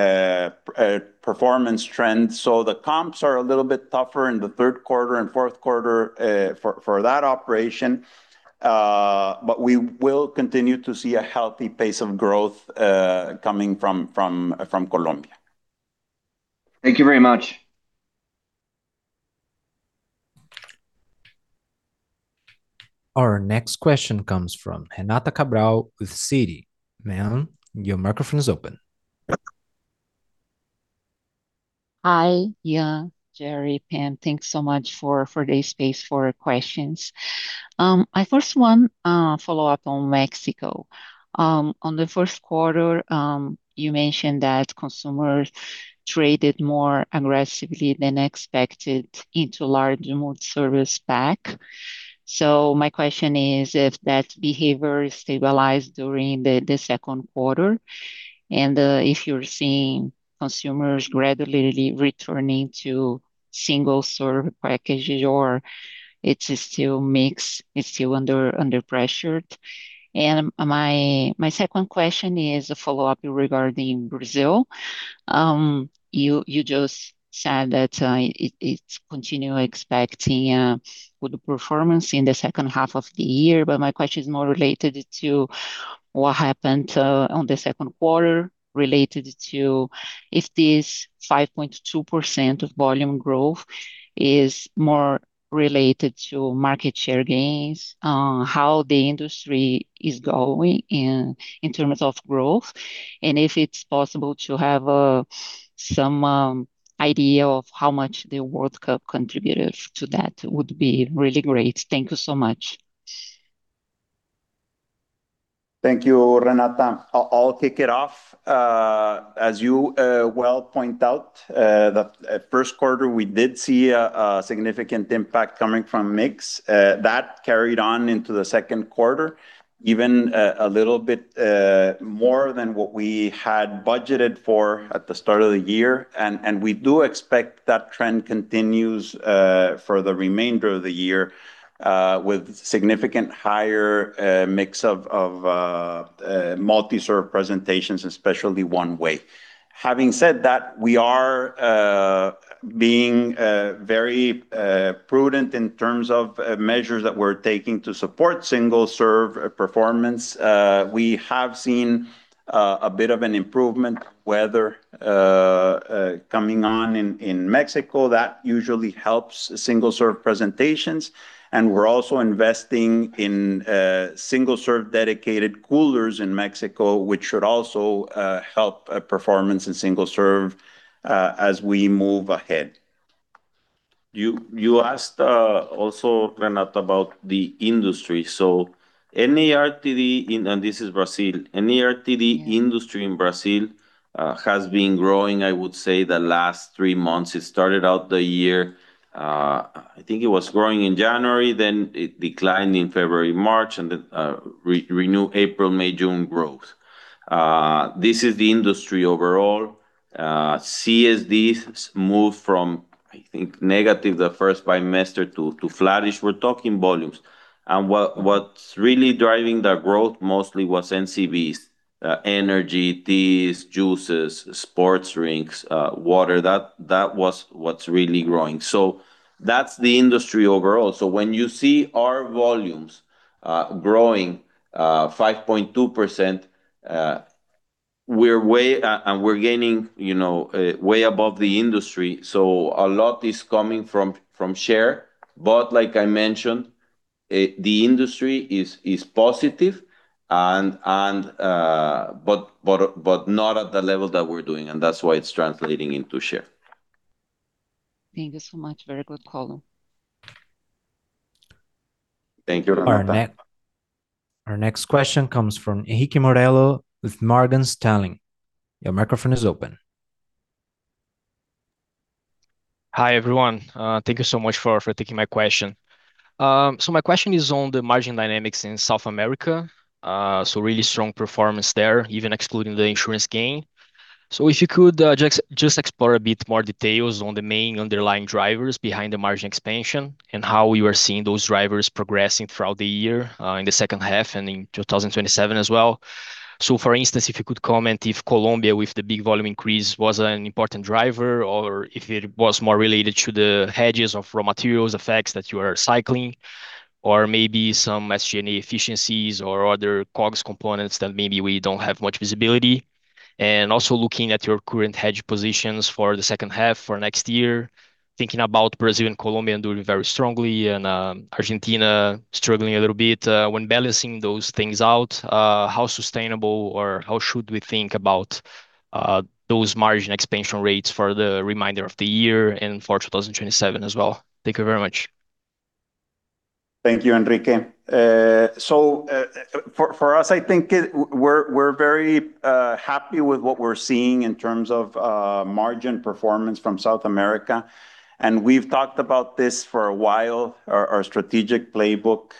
performance trends. The comps are a little bit tougher in the third quarter and fourth quarter for that operation, but we will continue to see a healthy pace of growth coming from Colombia. Thank you very much. Our next question comes from Renata Cabral with Citi. Ma'am, your microphone is open. Hi, Ian, Gerry, Pam. Thanks so much for the space for questions. I first want to follow up on Mexico. On the first quarter, you mentioned that consumers traded more aggressively than expected into large multi-serve pack. My question is, if that behavior is stabilized during the second quarter, and if you're seeing consumers gradually returning to single-serve packages or it is still mix, it is still under pressure? My second question is a follow-up regarding Brazil. You just said that it's continue expecting good performance in the second half of the year, but my question is more related to what happened on the second quarter, related to if this 5.2% of volume growth is more related to market share gains, how the industry is going in terms of growth, and if it's possible to have some idea of how much the World Cup contributed to that would be really great. Thank you so much. Thank you, Renata. I'll kick it off. As you well point out, the first quarter, we did see a significant impact coming from mix. That carried on into the second quarter, even a little bit more than what we had budgeted for at the start of the year. We do expect that trend continues for the remainder of the year, with significant higher mix of multi-serve presentations, especially one-way. Having said that, we are being very prudent in terms of measures that we're taking to support single-serve performance. We have seen a bit of an improvement, weather coming on in Mexico, that usually helps single-serve presentations. We're also investing in single-serve dedicated coolers in Mexico, which should also help performance in single-serve as we move ahead. You asked also, Renata, about the industry. Any RTD in, and this is Brazil, any RTD industry in Brazil has been growing, I would say, the last three months. It started out the year, I think it was growing in January. Then it declined in February, March, and it renewed April, May, June growth. This is the industry overall. CSDs moved from, I think, negative the first trimester to flattish. We're talking volumes. What's really driving that growth mostly was NCBs, energy, teas, juices, sports drinks, water. That was what's really growing. That's the industry overall. When you see our volumes growing 5.2%, we're gaining way above the industry. A lot is coming from share, but like I mentioned, the industry is positive but not at the level that we're doing, and that's why it's translating into share. Thank you so much. Very good call. Thank you, Renata. Our next question comes from Henrique Morello with Morgan Stanley. Your microphone is open. Hi, everyone. Thank you so much for taking my question. My question is on the margin dynamics in South America. Really strong performance there, even excluding the insurance gain. If you could just explore a bit more details on the main underlying drivers behind the margin expansion and how you are seeing those drivers progressing throughout the year, in the second half and in 2027 as well. For instance, if you could comment if Colombia, with the big volume increase, was an important driver or if it was more related to the hedges of raw materials effects that you are cycling or maybe some SG&A efficiencies or other COGS components that maybe we don't have much visibility. Also, looking at your current hedge positions for the second half for next year, thinking about Brazil and Colombia doing very strongly and Argentina struggling a little bit. When balancing those things out, how sustainable or how should we think about those margin expansion rates for the remainder of the year and for 2027 as well? Thank you very much. Thank you, Henrique. For us, I think we're very happy with what we're seeing in terms of margin performance from South America, and we've talked about this for a while. Our strategic playbook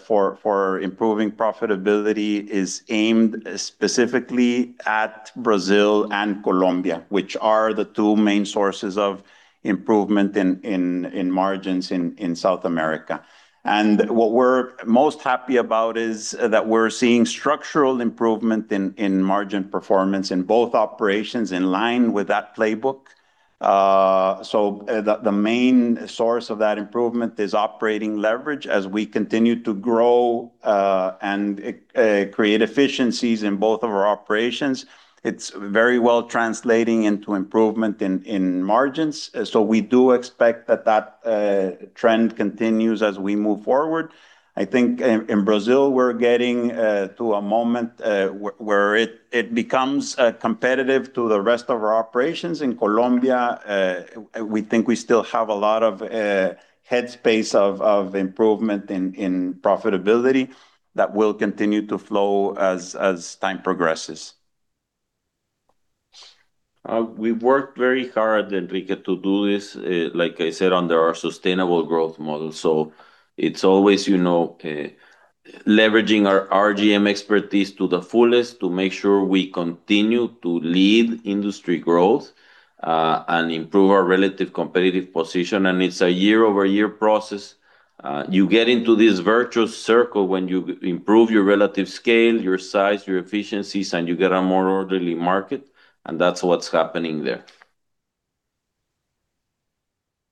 for improving profitability is aimed specifically at Brazil and Colombia, which are the two main sources of improvement in margins in South America. What we're most happy about is that we're seeing structural improvement in margin performance in both operations in line with that playbook. The main source of that improvement is operating leverage as we continue to grow and create efficiencies in both of our operations. It's very well translating into improvement in margins. We do expect that that trend continues as we move forward. I think in Brazil, we're getting to a moment where it becomes competitive to the rest of our operations. In Colombia, we think we still have a lot of headspace of improvement in profitability that will continue to flow as time progresses. We've worked very hard, Henrique, to do this, like I said, under our sustainable growth model. It's always leveraging our RGM expertise to the fullest to make sure we continue to lead industry growth, and improve our relative competitive position. It's a year-over-year process. You get into this virtual circle when you improve your relative scale, your size, your efficiencies, and you get a more orderly market, and that's what's happening there.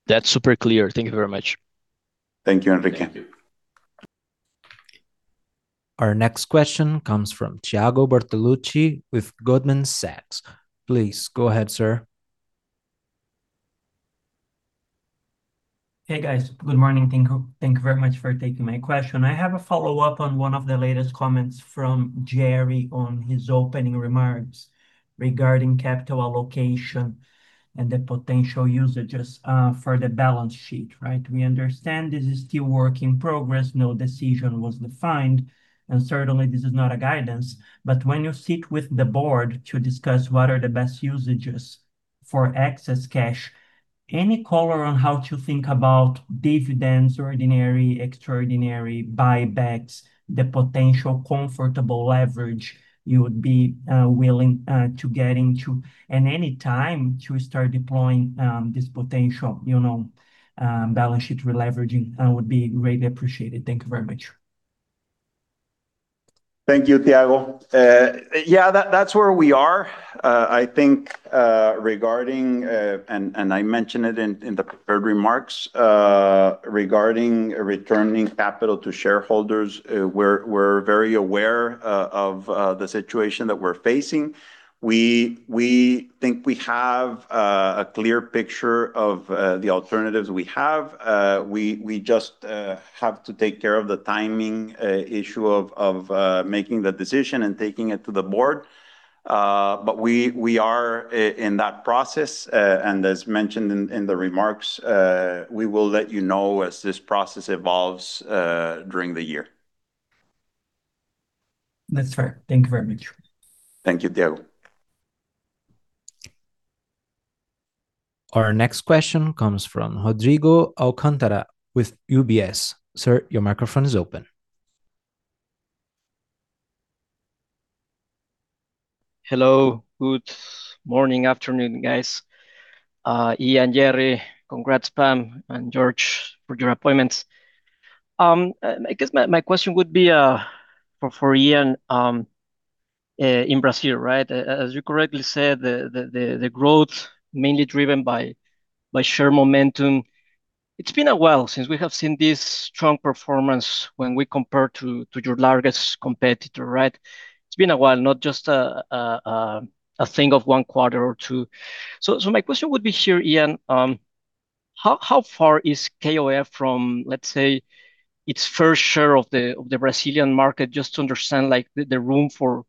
That's super clear. Thank you very much. Thank you, Henrique. Thank you. Our next question comes from Thiago Bortoluci with Goldman Sachs. Please go ahead, sir. Hey, guys. Good morning. Thank you very much for taking my question. I have a follow-up on one of the latest comments from Gerry on his opening remarks regarding capital allocation and the potential usages for the balance sheet, right? We understand this is still work in progress. No decision was defined, and certainly, this is not a guidance. But when you sit with the board to discuss what are the best usages for excess cash, any color on how to think about dividends, ordinary, extraordinary buybacks, the potential comfortable leverage you would be willing to get into? And any time to start deploying this potential balance sheet releveraging would be greatly appreciated. Thank you very much. Thank you, Thiago. Yeah, that's where we are. I think regarding, and I mentioned it in the prepared remarks, regarding returning capital to shareholders, we're very aware of the situation that we're facing. We think we have a clear picture of the alternatives we have. We just have to take care of the timing issue of making the decision and taking it to the board. We are in that process. As mentioned in the remarks, we will let you know as this process evolves during the year. That's fair. Thank you very much. Thank you, Thiago. Our next question comes from Rodrigo Alcantara with UBS. Sir, your microphone is open. Hello. Good morning, afternoon, guys. Ian, Gerry, congrats Pam and Jorge for your appointments. I guess my question would be for Ian in Brazil, right? As you correctly said, the growth mainly driven by share momentum. It's been a while since we have seen this strong performance when we compare to your largest competitor, right? It's been a while, not just a thing of one quarter or two. My question would be here, Ian, how far is KOF from, let's say, its first share of the Brazilian market, just to understand the room for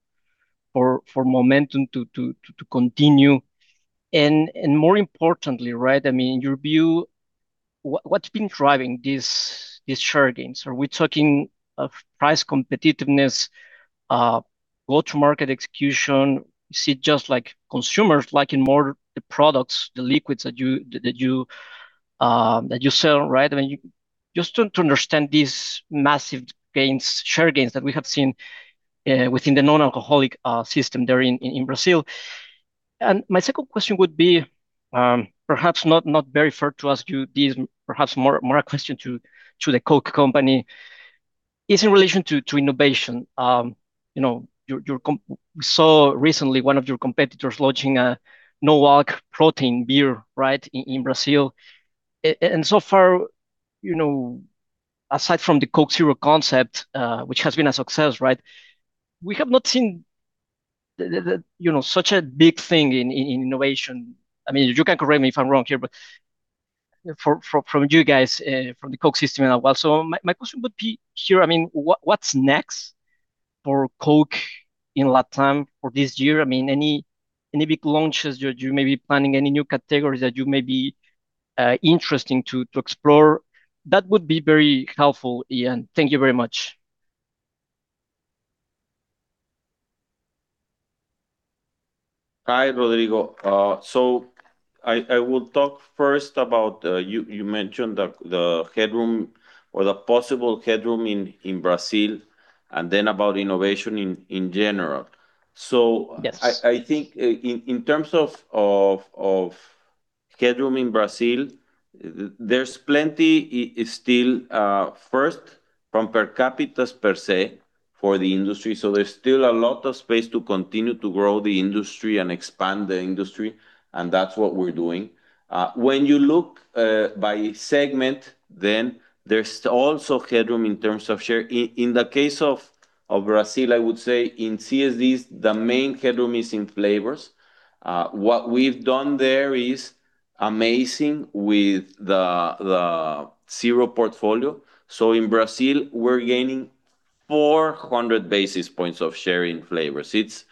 momentum to continue? More importantly, right, in your view, what's been driving these share gains? Are we talking of price competitiveness, go-to-market execution? You see just consumers liking more the products, the liquids that you sell, right? Just want to understand these massive share gains that we have seen within the non-alcoholic system there in Brazil. My second question would be, perhaps not very fair to ask you this, perhaps more a question to The Coca-Cola Company. It's in relation to innovation. We saw recently one of your competitors launching a no-alc protein beer, right, in Brazil. And so far, aside from the Coke Zero concept, which has been a success, we have not seen such a big thing in innovation. I mean, you can correct me if I'm wrong here, but from you guys, from the Coke system as well. My question would be here, I mean, what's next for Coke in LatAm for this year? Any big launches that you may be planning, any new categories that you may be interesting to explore? That would be very helpful, Ian. Thank you very much. Hi, Rodrigo. I will talk first about, you mentioned the headroom or the possible headroom in Brazil, and then about innovation in general. Yes. I think in terms of headroom in Brazil, there's plenty still, first from per capita per se for the industry. There's still a lot of space to continue to grow the industry and expand the industry, and that's what we're doing. When you look by segment, then there's also headroom in terms of share. In the case of Brazil, I would say in CSDs, the main headroom is in flavors. What we've done there is amazing with the Zero portfolio. In Brazil, we're gaining 400 basis points of share in flavors. It's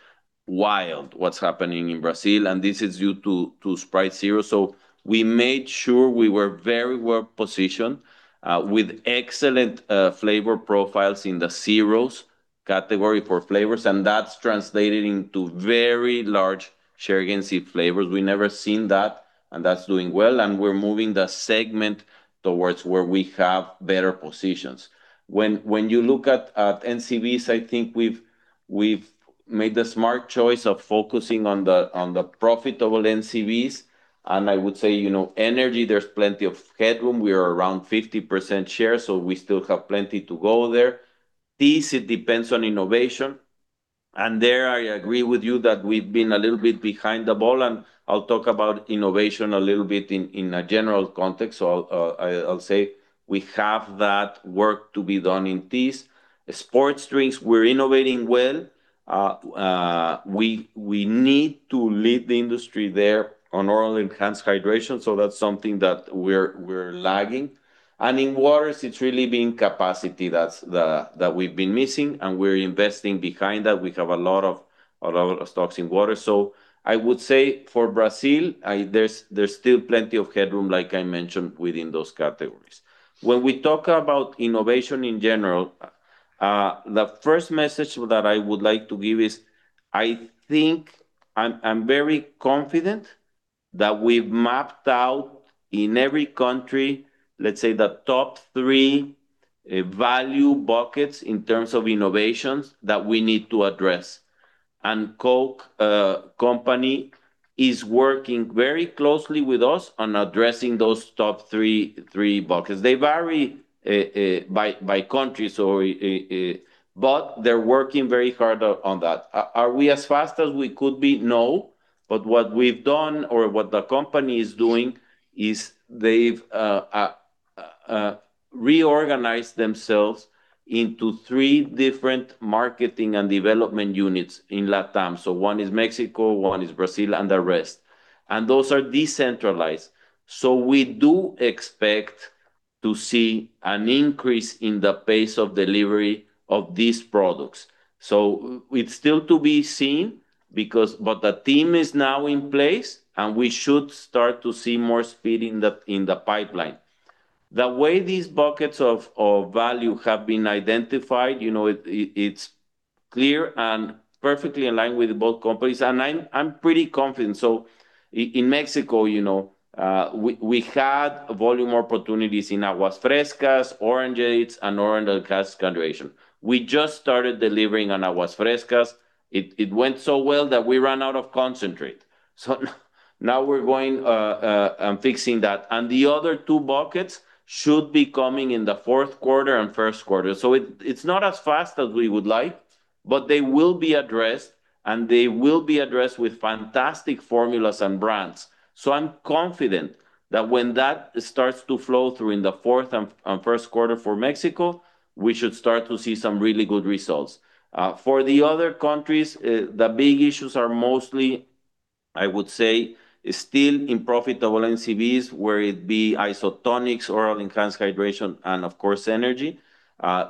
wild what's happening in Brazil, and this is due to Sprite Zero. So, we made sure we were very well-positioned with excellent flavor profiles in the Zeros category for flavors, and that's translated into very large share gains in flavors. We've never seen that, and that's doing well, and we're moving the segment towards where we have better positions. When you look at NCBs, I think we've made the smart choice of focusing on the profitable NCBs, and I would say energy, there's plenty of headroom. We are around 50% share, so we still have plenty to go there. This depends on innovation, and there, I agree with you that we've been a little bit behind the ball, and I'll talk about innovation a little bit in a general context. I'll say we have that work to be done in these. Sports drinks, we're innovating well. We need to lead the industry there on oral enhanced hydration. That's something that we're lagging. In waters, it's really been capacity that we've been missing, and we're investing behind that. We have a lot of stocks in water. I would say for Brazil, there's still plenty of headroom, like I mentioned, within those categories. When we talk about innovation in general, the first message that I would like to give is, I think, I'm very confident that we've mapped out in every country, let's say, the top three value buckets in terms of innovations that we need to address. Coke company is working very closely with us on addressing those top three buckets. They vary by country, but they're working very hard on that. Are we as fast as we could be? No. But what we've done, or what the company is doing, is they've reorganized themselves into three different marketing and development units in LatAm. One is Mexico, one is Brazil, and the rest. Those are decentralized. We do expect to see an increase in the pace of delivery of these products. It's still to be seen, but the team is now in place, and we should start to see more speed in the pipeline. The way these buckets of value have been identified, it's clear and perfectly in line with both companies, and I'm pretty confident. In Mexico, we had volume opportunities in aguas frescas, orangeades, and oral-enhanced hydration. We just started delivering on aguas frescas. It went so well that we ran out of concentrate. Now, we're going and fixing that. The other two buckets should be coming in the fourth quarter and first quarter. It's not as fast as we would like, but they will be addressed, and they will be addressed with fantastic formulas and brands. I'm confident that when that starts to flow through in the fourth and first quarter for Mexico, we should start to see some really good results. For the other countries, the big issues are mostly, I would say, still in profitable NCBs, whether it be isotonics, oral-enhanced hydration, and, of course, energy,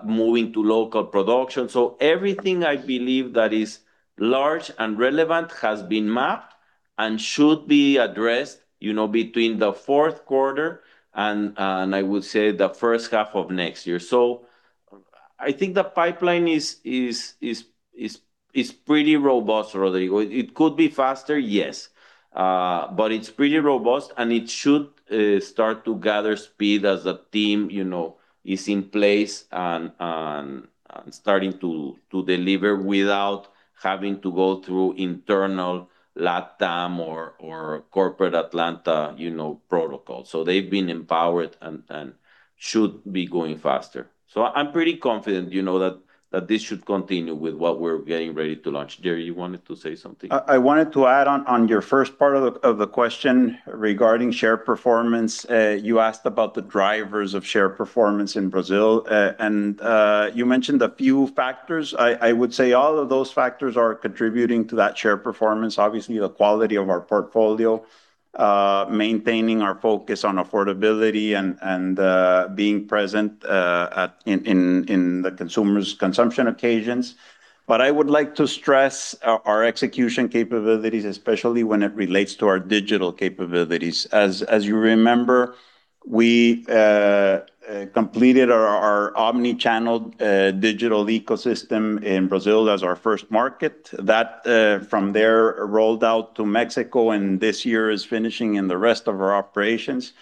moving to local production. Everything I believe that is large and relevant has been mapped and should be addressed between the fourth quarter and I would say the first half of next year. I think the pipeline is pretty robust, Rodrigo. It could be faster, yes, but it's pretty robust, and it should start to gather speed as a team is in place and starting to deliver without having to go through internal LatAm. Yeah. Or corporate Atlanta protocol. They've been empowered and should be going faster. I'm pretty confident that this should continue with what we're getting ready to launch. Gerry, you wanted to say something? I wanted to add on your first part of the question regarding share performance. You asked about the drivers of share performance in Brazil, and you mentioned a few factors. I would say all of those factors are contributing to that share performance. Obviously, the quality of our portfolio, maintaining our focus on affordability and being present in the consumer's consumption occasions. But I would like to stress our execution capabilities, especially when it relates to our digital capabilities. As you remember, we completed our omnichannel digital ecosystem in Brazil as our first market. That from there rolled out to Mexico, and this year is finishing in the rest of our operations.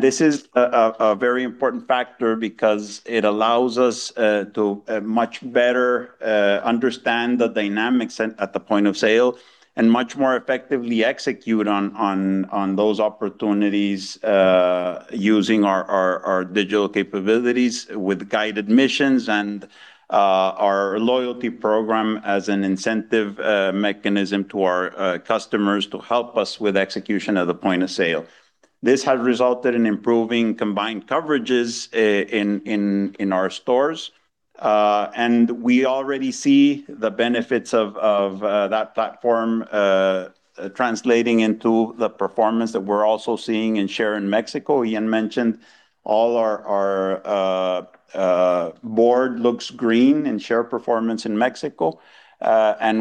This is a very important factor because it allows us to much better understand the dynamics at the point of sale and much more effectively execute on those opportunities, using our digital capabilities with guided missions and our loyalty program as an incentive mechanism to our customers to help us with execution at the point of sale. This has resulted in improving combined coverages in our stores. We already see the benefits of that platform translating into the performance that we're also seeing in share in Mexico. Ian mentioned all our board looks green in share performance in Mexico.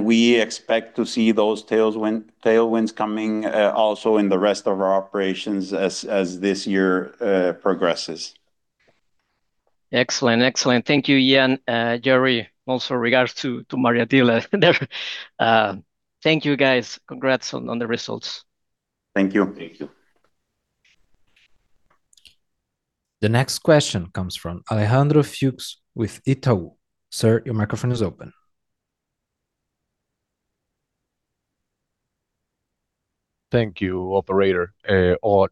We expect to see those tailwinds coming also in the rest of our operations as this year progresses. Excellent. Thank you, Ian, Gerry. Also regards to Maria Dyla. Thank you, guys. Congrats on the results. Thank you. Thank you. The next question comes from Alejandro Fuchs with Itaú. Sir, your microphone is open. Thank you, operator.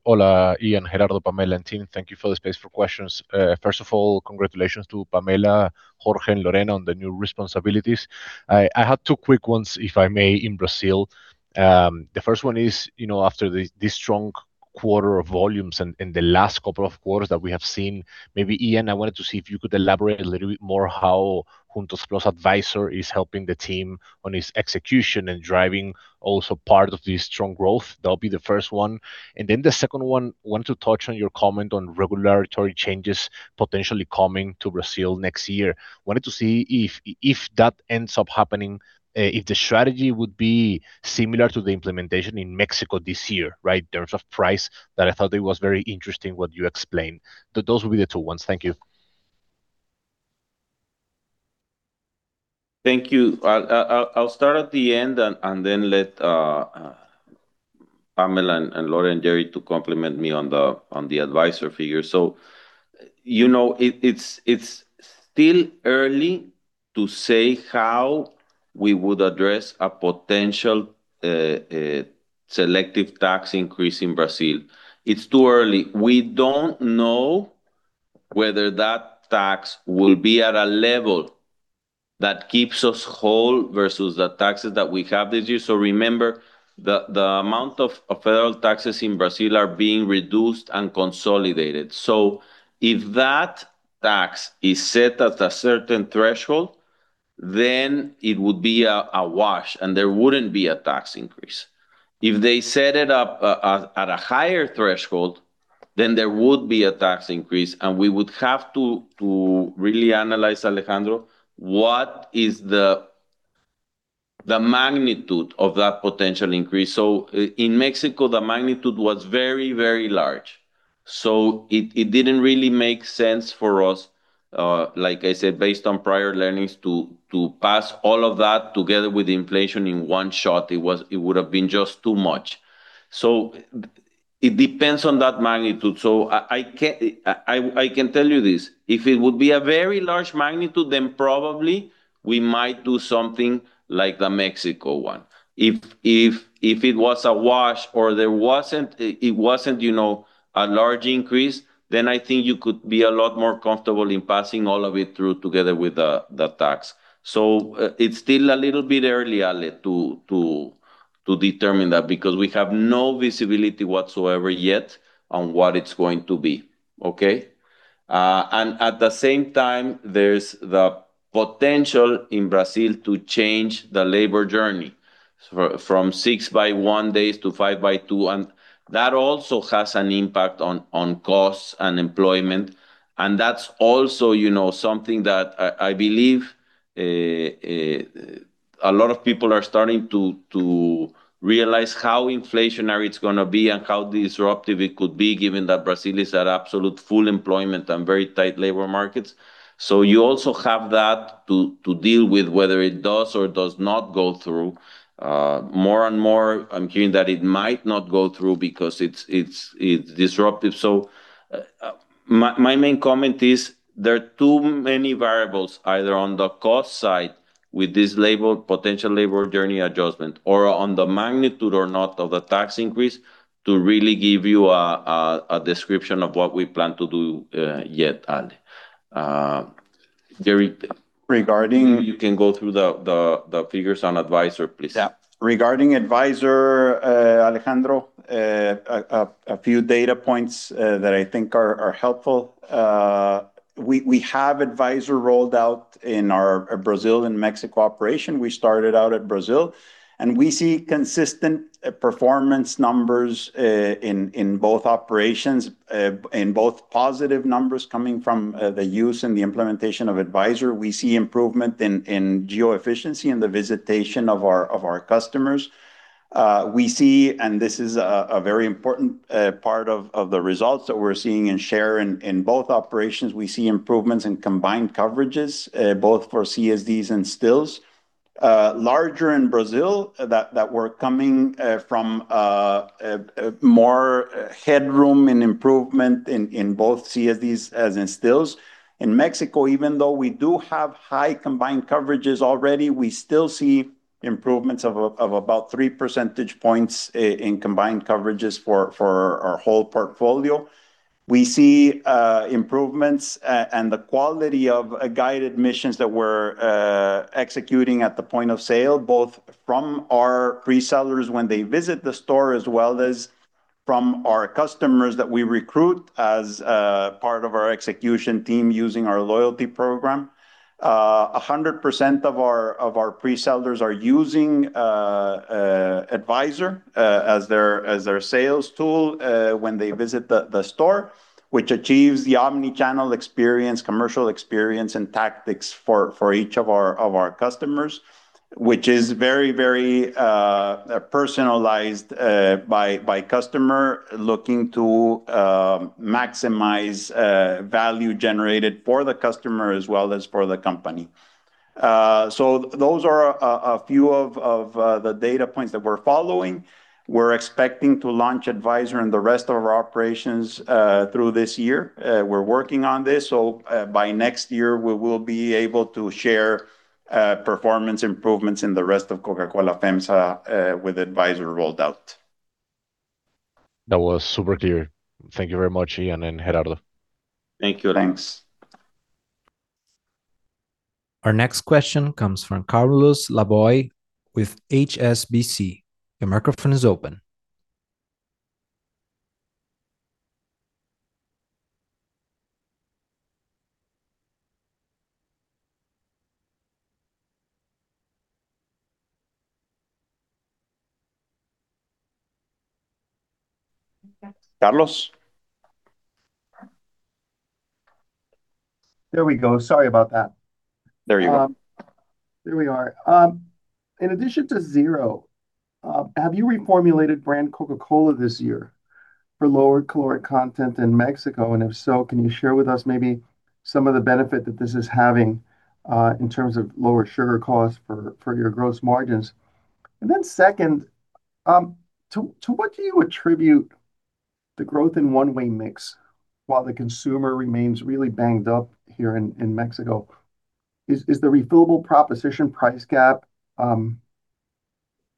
Hola, Ian, Gerardo, Pamela, and team. Thank you for the space for questions. First of all, congratulations to Pamela, Jorge, and Lorena on the new responsibilities. I have two quick ones, if I may, in Brazil. The first one is, after this strong quarter of volumes and the last couple of quarters that we have seen, maybe, Ian, I wanted to see if you could elaborate a little bit more how Juntos+ Advisor is helping the team on its execution and driving also part of this strong growth. That'll be the first one. The second one, wanted to touch on your comment on regulatory changes potentially coming to Brazil next year. Wanted to see if that ends up happening, if the strategy would be similar to the implementation in Mexico this year, right, in terms of price, that I thought it was very interesting what you explained. Those would be the two ones. Thank you. Thank you. I'll start at the end and then let Pamela and Lorena and Gerry to complement me on the Advisor figure. It's still early to say how we would address a potential selective tax increase in Brazil. It's too early. We don't know whether that tax will be at a level that keeps us whole versus the taxes that we have this year. Remember, the amount of federal taxes in Brazil are being reduced and consolidated. If that tax is set at a certain threshold, then it would be a wash and there wouldn't be a tax increase. If they set it up at a higher threshold, then there would be a tax increase, and we would have to really analyze, Alejandro, what is the magnitude of that potential increase. In Mexico, the magnitude was very, very large, so it didn't really make sense for us, like I said, based on prior learnings, to pass all of that together with inflation in one shot. It would've been just too much. It depends on that magnitude. I can tell you this, if it would be a very large magnitude, then probably we might do something like the Mexico one. If it was a wash or it wasn't a large increase, then I think you could be a lot more comfortable in passing all of it through together with the tax. It's still a little bit early, Ale, to determine that because we have no visibility whatsoever yet on what it's going to be. Okay? At the same time, there's the potential in Brazil to change the labor journey from 6x1 days to 5x2, and that also has an impact on costs and employment. That's also something that I believe a lot of people are starting to realize how inflationary it's going to be and how disruptive it could be, given that Brazil is at absolute full employment and very tight labor markets. You also have that to deal with, whether it does or does not go through. More and more, I'm hearing that it might not go through because it's disruptive. My main comment is there are too many variables, either on the cost side with this potential labor journey adjustment or on the magnitude or not of the tax increase to really give you a description of what we plan to do yet, Ale. Gerry. Regarding. Maybe you can go through the figures on Advisor, please. Yeah. Regarding Advisor, Alejandro, a few data points that I think are helpful. We have Advisor rolled out in our Brazil and Mexico operation. We started out at Brazil. We see consistent performance numbers in both operations, in both positive numbers coming from the use and the implementation of Advisor. We see improvement in geo efficiency and the visitation of our customers. We see, and this is a very important part of the results that we're seeing in share in both operations, we see improvements in combined coverages both for CSDs and stills. Larger in Brazil, that were coming from more headroom and improvement in both CSDs as in stills. In Mexico, even though we do have high combined coverages already, we still see improvements of about 3 percentage points in combined coverages for our whole portfolio. We see improvements in the quality of guided missions that we're executing at the point of sale, both from our pre-sellers when they visit the store, as well as from our customers that we recruit as part of our execution team using our loyalty program. 100% of our pre-sellers are using Advisor as their sales tool when they visit the store, which achieves the omni-channel experience, commercial experience, and tactics for each of our customers, which is very, very personalized by customer looking to maximize value generated for the customer as well as for the company. Those are a few of the data points that we're following. We're expecting to launch Advisor in the rest of our operations through this year. We're working on this. By next year, we will be able to share performance improvements in the rest of Coca-Cola FEMSA with Advisor rolled out. That was super clear. Thank you very much, Ian and Gerardo. Thank you. Thanks. Our next question comes from Carlos Laboy with HSBC. Your microphone is open. Carlos? There we go. Sorry about that. There you go. There we are. In addition to Zero, have you reformulated brand Coca-Cola this year for lower caloric content in Mexico? If so, can you share with us maybe some of the benefit that this is having in terms of lower sugar costs for your gross margins? Second, to what do you attribute the growth in one-way mix while the consumer remains really banged up here in Mexico? Is the refillable proposition price gap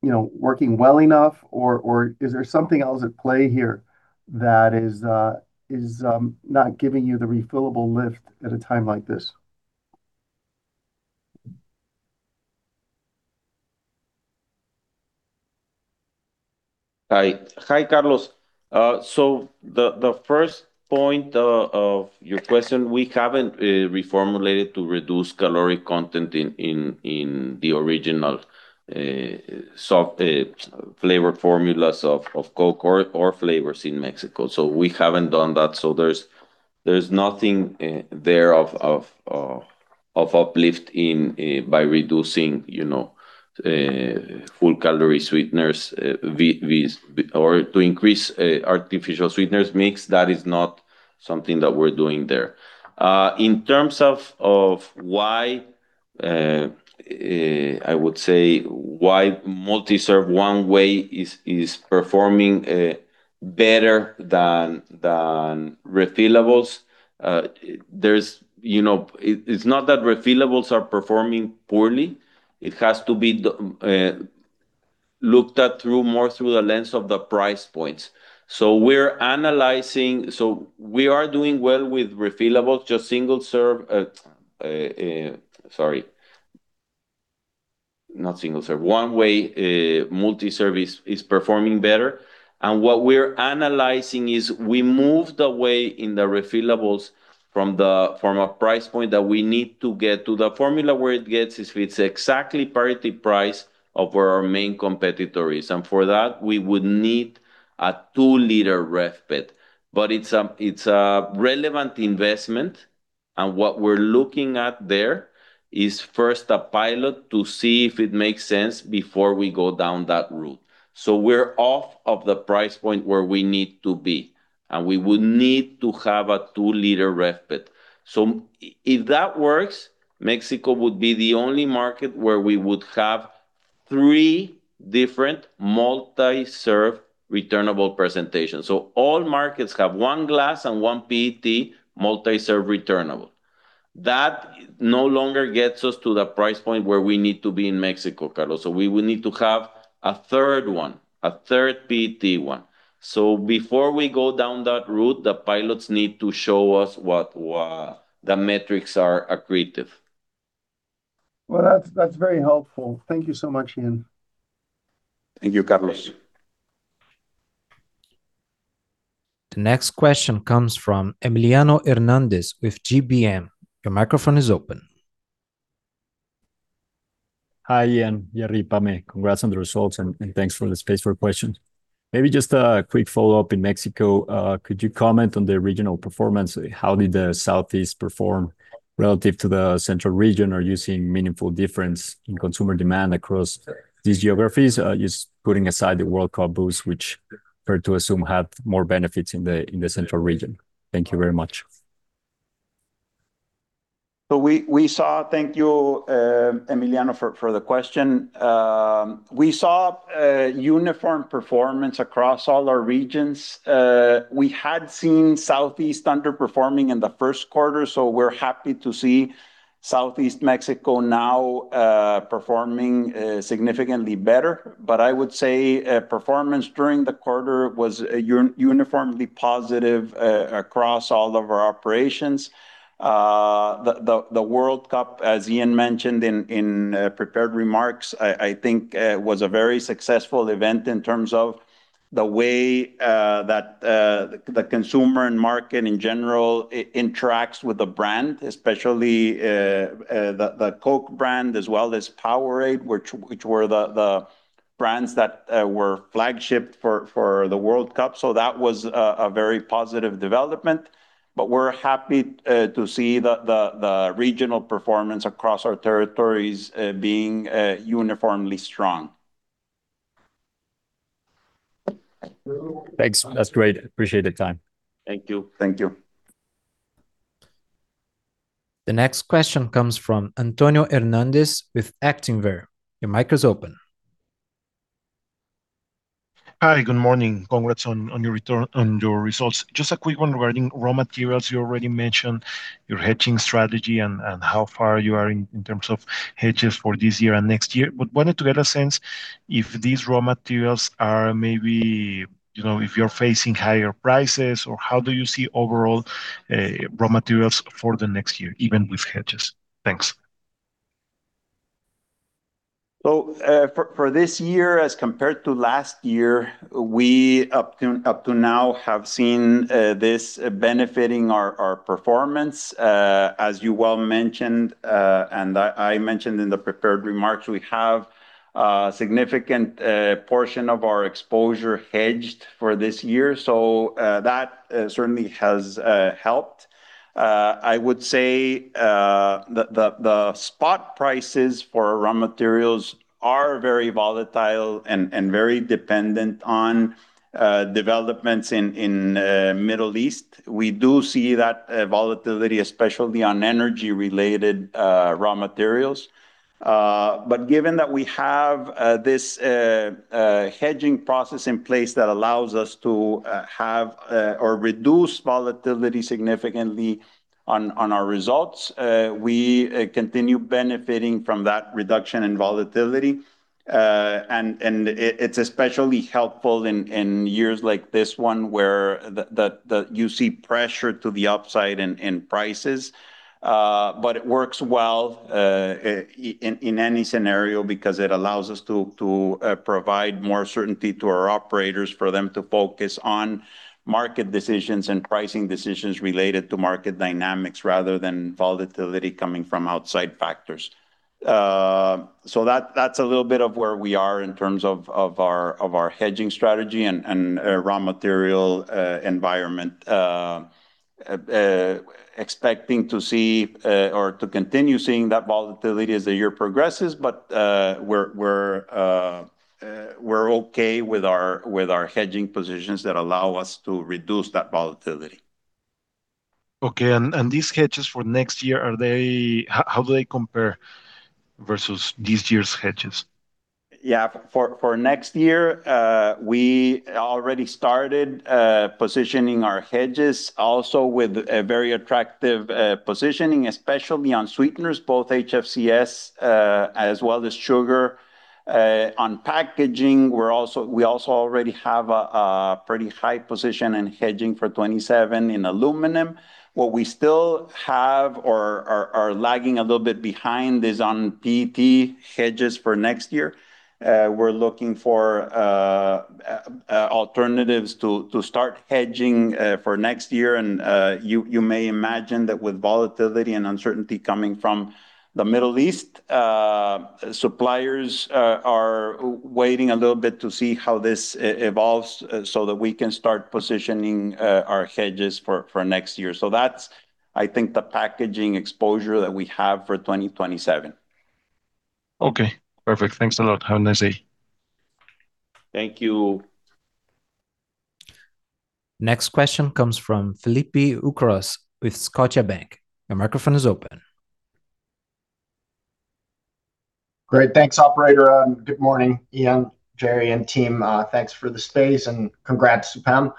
working well enough, or is there something else at play here that is not giving you the refillable lift at a time like this? Hi, Carlos. The first point of your question, we haven't reformulated to reduce caloric content in the original flavored formulas of Coke or flavors in Mexico. We haven't done that. There's nothing there of uplift by reducing full-calorie sweeteners or to increase artificial sweeteners mix. That is not something that we're doing there. In terms of why I would say why multi-serve one-way is performing better than refillables. It's not that refillables are performing poorly. It has to be looked at more through the lens of the price points. We are doing well with refillables, just single serve. Sorry. Not single serve. One Way multi-serve is performing better. What we're analyzing is we moved away in the refillables from a price point that we need to get to the formula where it gets its exactly parity price of where our main competitor is. For that, we would need a 2-L refit. It's a relevant investment. What we're looking at there is first a pilot to see if it makes sense before we go down that route. We're off of the price point where we need to be, and we would need to have a 2-L refit. If that works, Mexico would be the only market where we would have three different multi-serve returnable presentations. All markets have one glass and one PET multi-serve returnable. That no longer gets us to the price point where we need to be in Mexico, Carlos. We will need to have a third one, a third PET one. Before we go down that route, the pilots need to show us what the metrics are accretive. That's very helpful. Thank you so much, Ian. Thank you, Carlos. The next question comes from Emiliano Hernandez with GBM. Your microphone is open. Hi, Ian, Gerry, Pame. Congrats on the results and thanks for the space for questions. Maybe just a quick follow-up in Mexico. Could you comment on the regional performance? How did the southeast perform relative to the central region? Are you seeing meaningful difference in consumer demand across these geographies? Just putting aside the World Cup boost, which fair to assume had more benefits in the central region. Thank you very much. Thank you, Emiliano, for the question. We saw uniform performance across all our regions. We had seen southeast underperforming in the first quarter, so we're happy to see southeast Mexico now performing significantly better. But I would say performance during the quarter was uniformly positive across all of our operations. The World Cup, as Ian mentioned in prepared remarks, I think was a very successful event in terms of the way that the consumer and market in general interacts with the brand, especially the Coke brand as well as POWERADE, which were the brands that were flagshipped for the World Cup. That was a very positive development. We're happy to see the regional performance across our territories being uniformly strong. Thanks. That's great. Appreciate the time. Thank you. Thank you. The next question comes from Antonio Hernández with Actinver. Your mic is open. Hi, good morning. Congrats on your results. Just a quick one regarding raw materials. You already mentioned your hedging strategy and how far you are in terms of hedges for this year and next year. Wanted to get a sense if these raw materials are maybe, if you're facing higher prices or how do you see overall raw materials for the next year, even with hedges? Thanks. For this year as compared to last year, we, up to now, have seen this benefiting our performance. As you well mentioned, and I mentioned in the prepared remarks, we have significant portion of our exposure hedged for this year. That certainly has helped. I would say the spot prices for raw materials are very volatile and very dependent on developments in Middle East. We do see that volatility, especially on energy-related raw materials. But given that we have this hedging process in place that allows us to have or reduce volatility significantly on our results, we continue benefiting from that reduction in volatility. It's especially helpful in years like this one where you see pressure to the upside in prices. It works well in any scenario because it allows us to provide more certainty to our operators for them to focus on market decisions and pricing decisions related to market dynamics rather than volatility coming from outside factors. That's a little bit of where we are in terms of our hedging strategy and raw material environment. Expecting to see or to continue seeing that volatility as the year progresses, but we're okay with our hedging positions that allow us to reduce that volatility. Okay, and these hedges for next year, how do they compare versus this year's hedges? For next year, we already started positioning our hedges also with a very attractive positioning, especially on sweeteners, both HFCS as well as sugar. On packaging, we also already have a pretty high position in hedging for 2027 in aluminum. What we still have or are lagging a little bit behind is on PET hedges for next year. We're looking for alternatives to start hedging for next year, and you may imagine that with volatility and uncertainty coming from the Middle East, suppliers are waiting a little bit to see how this evolves so that we can start positioning our hedges for next year. That's, I think, the packaging exposure that we have for 2027. Okay, perfect. Thanks a lot. Have a nice day. Thank you. Next question comes from Felipe Ucros with Scotiabank. Your microphone is open. Great. Thanks operator. Good morning, Ian, Gerry, and team. Thanks for the space, and congrats to Pam.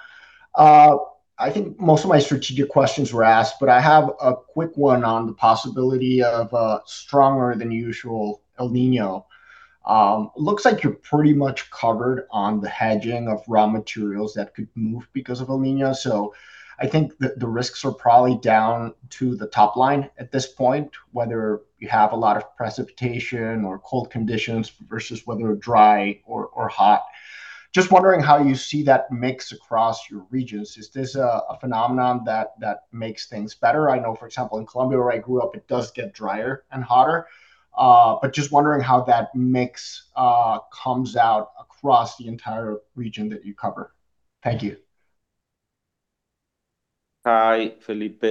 I think most of my strategic questions were asked, but I have a quick one on the possibility of a stronger than usual El Niño. Looks like you're pretty much covered on the hedging of raw materials that could move because of El Niño, so I think that the risks are probably down to the top line at this point, whether you have a lot of precipitation or cold conditions versus whether dry or hot. Just wondering how you see that mix across your regions. Is this a phenomenon that makes things better? I know, for example, in Colombia where I grew up, it does get drier and hotter. Just wondering how that mix comes out across the entire region that you cover. Thank you. Hi, Felipe.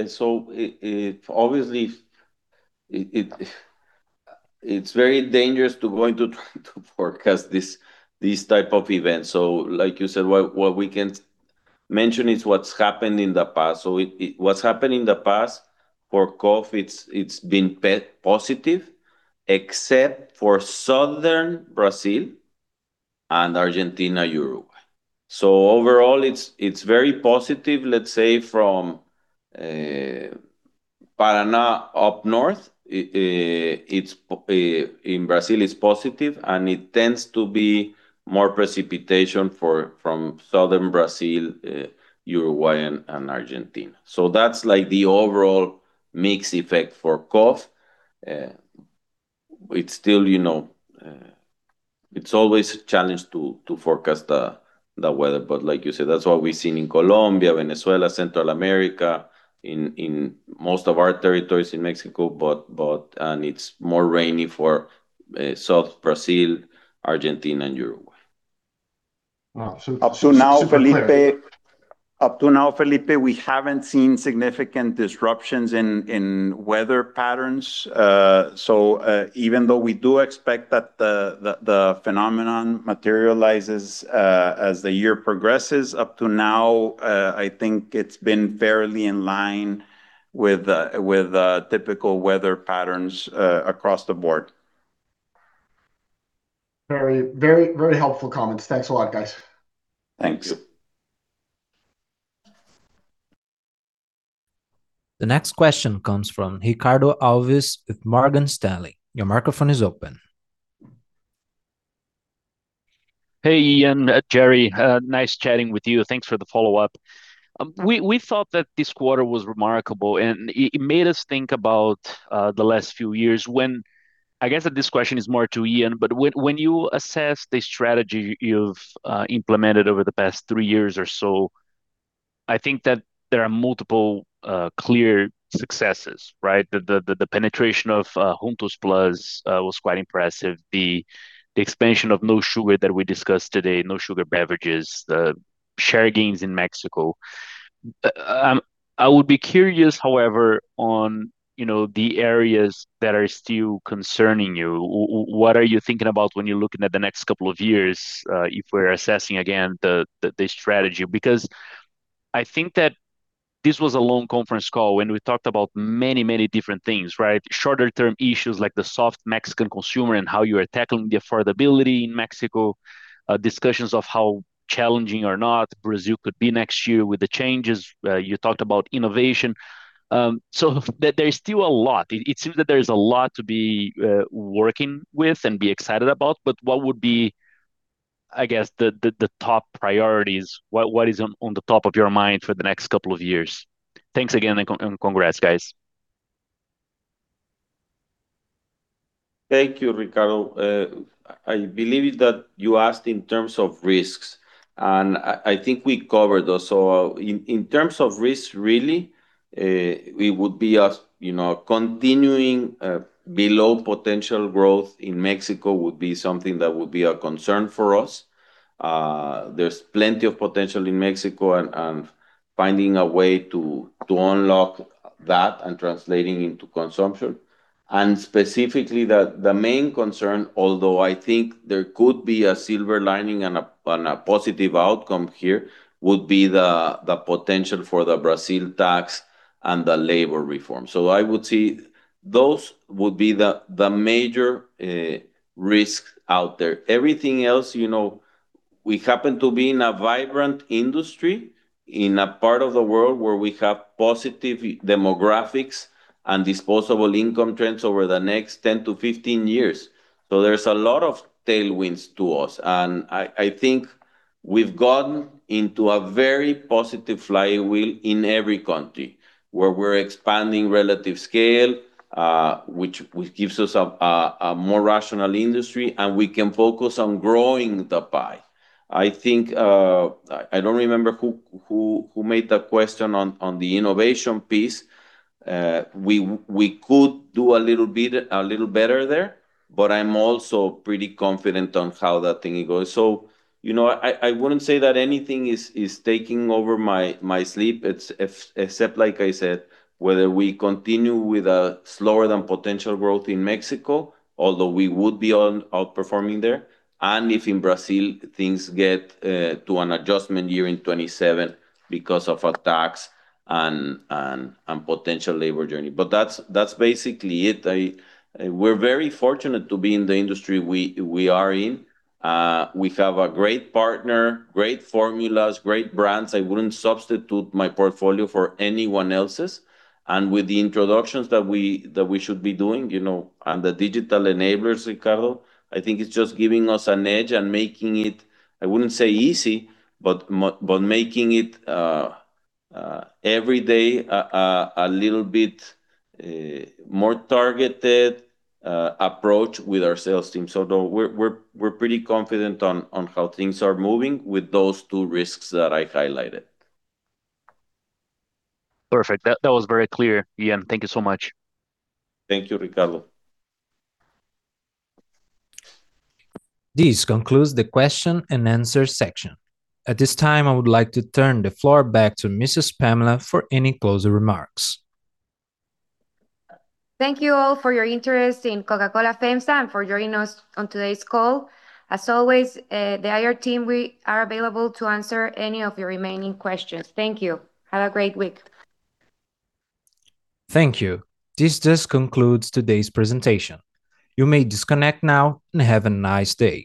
Obviously, it's very dangerous to going to try to forecast these type of events. Like you said, what we can mention is what's happened in the past. What's happened in the past, for KOF, it's been positive, except for Southern Brazil and Argentina, Uruguay. Overall, it's very positive, let's say, from Paraná up north, in Brazil it's positive, and it tends to be more precipitation from Southern Brazil, Uruguay, and Argentina. That's the overall mix effect for KOF. It's always a challenge to forecast the weather. Like you said, that's what we've seen in Colombia, Venezuela, Central America, in most of our territories in Mexico, and it's more rainy for South Brazil, Argentina, and Uruguay. Wow. Up to now, Felipe, we haven't seen significant disruptions in weather patterns. Even though we do expect that the phenomenon materializes as the year progresses, up to now, I think it's been fairly in line with typical weather patterns across the board. Very helpful comments. Thanks a lot, guys. Thanks. Thank you. The next question comes from Ricardo Alves with Morgan Stanley. Your microphone is open. Hey, Ian, Gerry. Nice chatting with you. Thanks for the follow-up. We thought that this quarter was remarkable, and it made us think about the last few years when, I guess that this question is more to Ian, but when you assess the strategy you've implemented over the past three years or so, I think that there are multiple clear successes, right? The penetration of Juntos+ was quite impressive. The expansion of no sugar that we discussed today, no sugar beverages, the share gains in Mexico. I would be curious, however, on the areas that are still concerning you. What are you thinking about when you're looking at the next couple of years, if we're assessing again the strategy? Because I think that this was a long conference call, and we talked about many, many different things, right? Shorter term issues like the soft Mexican consumer and how you are tackling the affordability in Mexico, discussions of how challenging or not Brazil could be next year with the changes. You talked about innovation. There is still a lot. It seems that there is a lot to be working with and be excited about, but what would be, I guess, the top priorities? What is on the top of your mind for the next couple of years? Thanks again, and congrats, guys. Thank you, Ricardo. I believe that you asked in terms of risks, and I think we covered those. In terms of risks, really, continuing below potential growth in Mexico would be something that would be a concern for us. There's plenty of potential in Mexico, and finding a way to unlock that and translating into consumption. Specifically, the main concern, although I think there could be a silver lining and a positive outcome here, would be the potential for the Brazil tax and the labor reform. I would say those would be the major risks out there. Everything else, we happen to be in a vibrant industry in a part of the world where we have positive demographics and disposable income trends over the next 10-15 years. There's a lot of tailwinds to us, and I think we've gotten into a very positive flywheel in every country, where we're expanding relative scale, which gives us a more rational industry, and we can focus on growing the pie. I don't remember who made the question on the innovation piece. We could do a little better there, but I'm also pretty confident on how that thing goes. I wouldn't say that anything is taking over my sleep, except, like I said, whether we continue with a slower than potential growth in Mexico, although we would be outperforming there, and if in Brazil things get to an adjustment year in 2027 because of a tax and potential labor journey. That's basically it. We're very fortunate to be in the industry we are in. We have a great partner, great formulas, great brands. I wouldn't substitute my portfolio for anyone else's. And with the introductions that we should be doing, and the digital enablers, Ricardo, I think it's just giving us an edge and making it, I wouldn't say easy, but making it every day a little bit more targeted approach with our sales team. We're pretty confident on how things are moving with those two risks that I highlighted. Perfect. That was very clear, Ian. Thank you so much. Thank you, Ricardo. This concludes the question-and-answer section. At this time, I would like to turn the floor back to Mrs. Pamela for any closing remarks. Thank you all for your interest in Coca-Cola FEMSA and for joining us on today's call. As always, the IR team, we are available to answer any of your remaining questions. Thank you. Have a great week. Thank you. This just concludes today's presentation. You may disconnect now and have a nice day.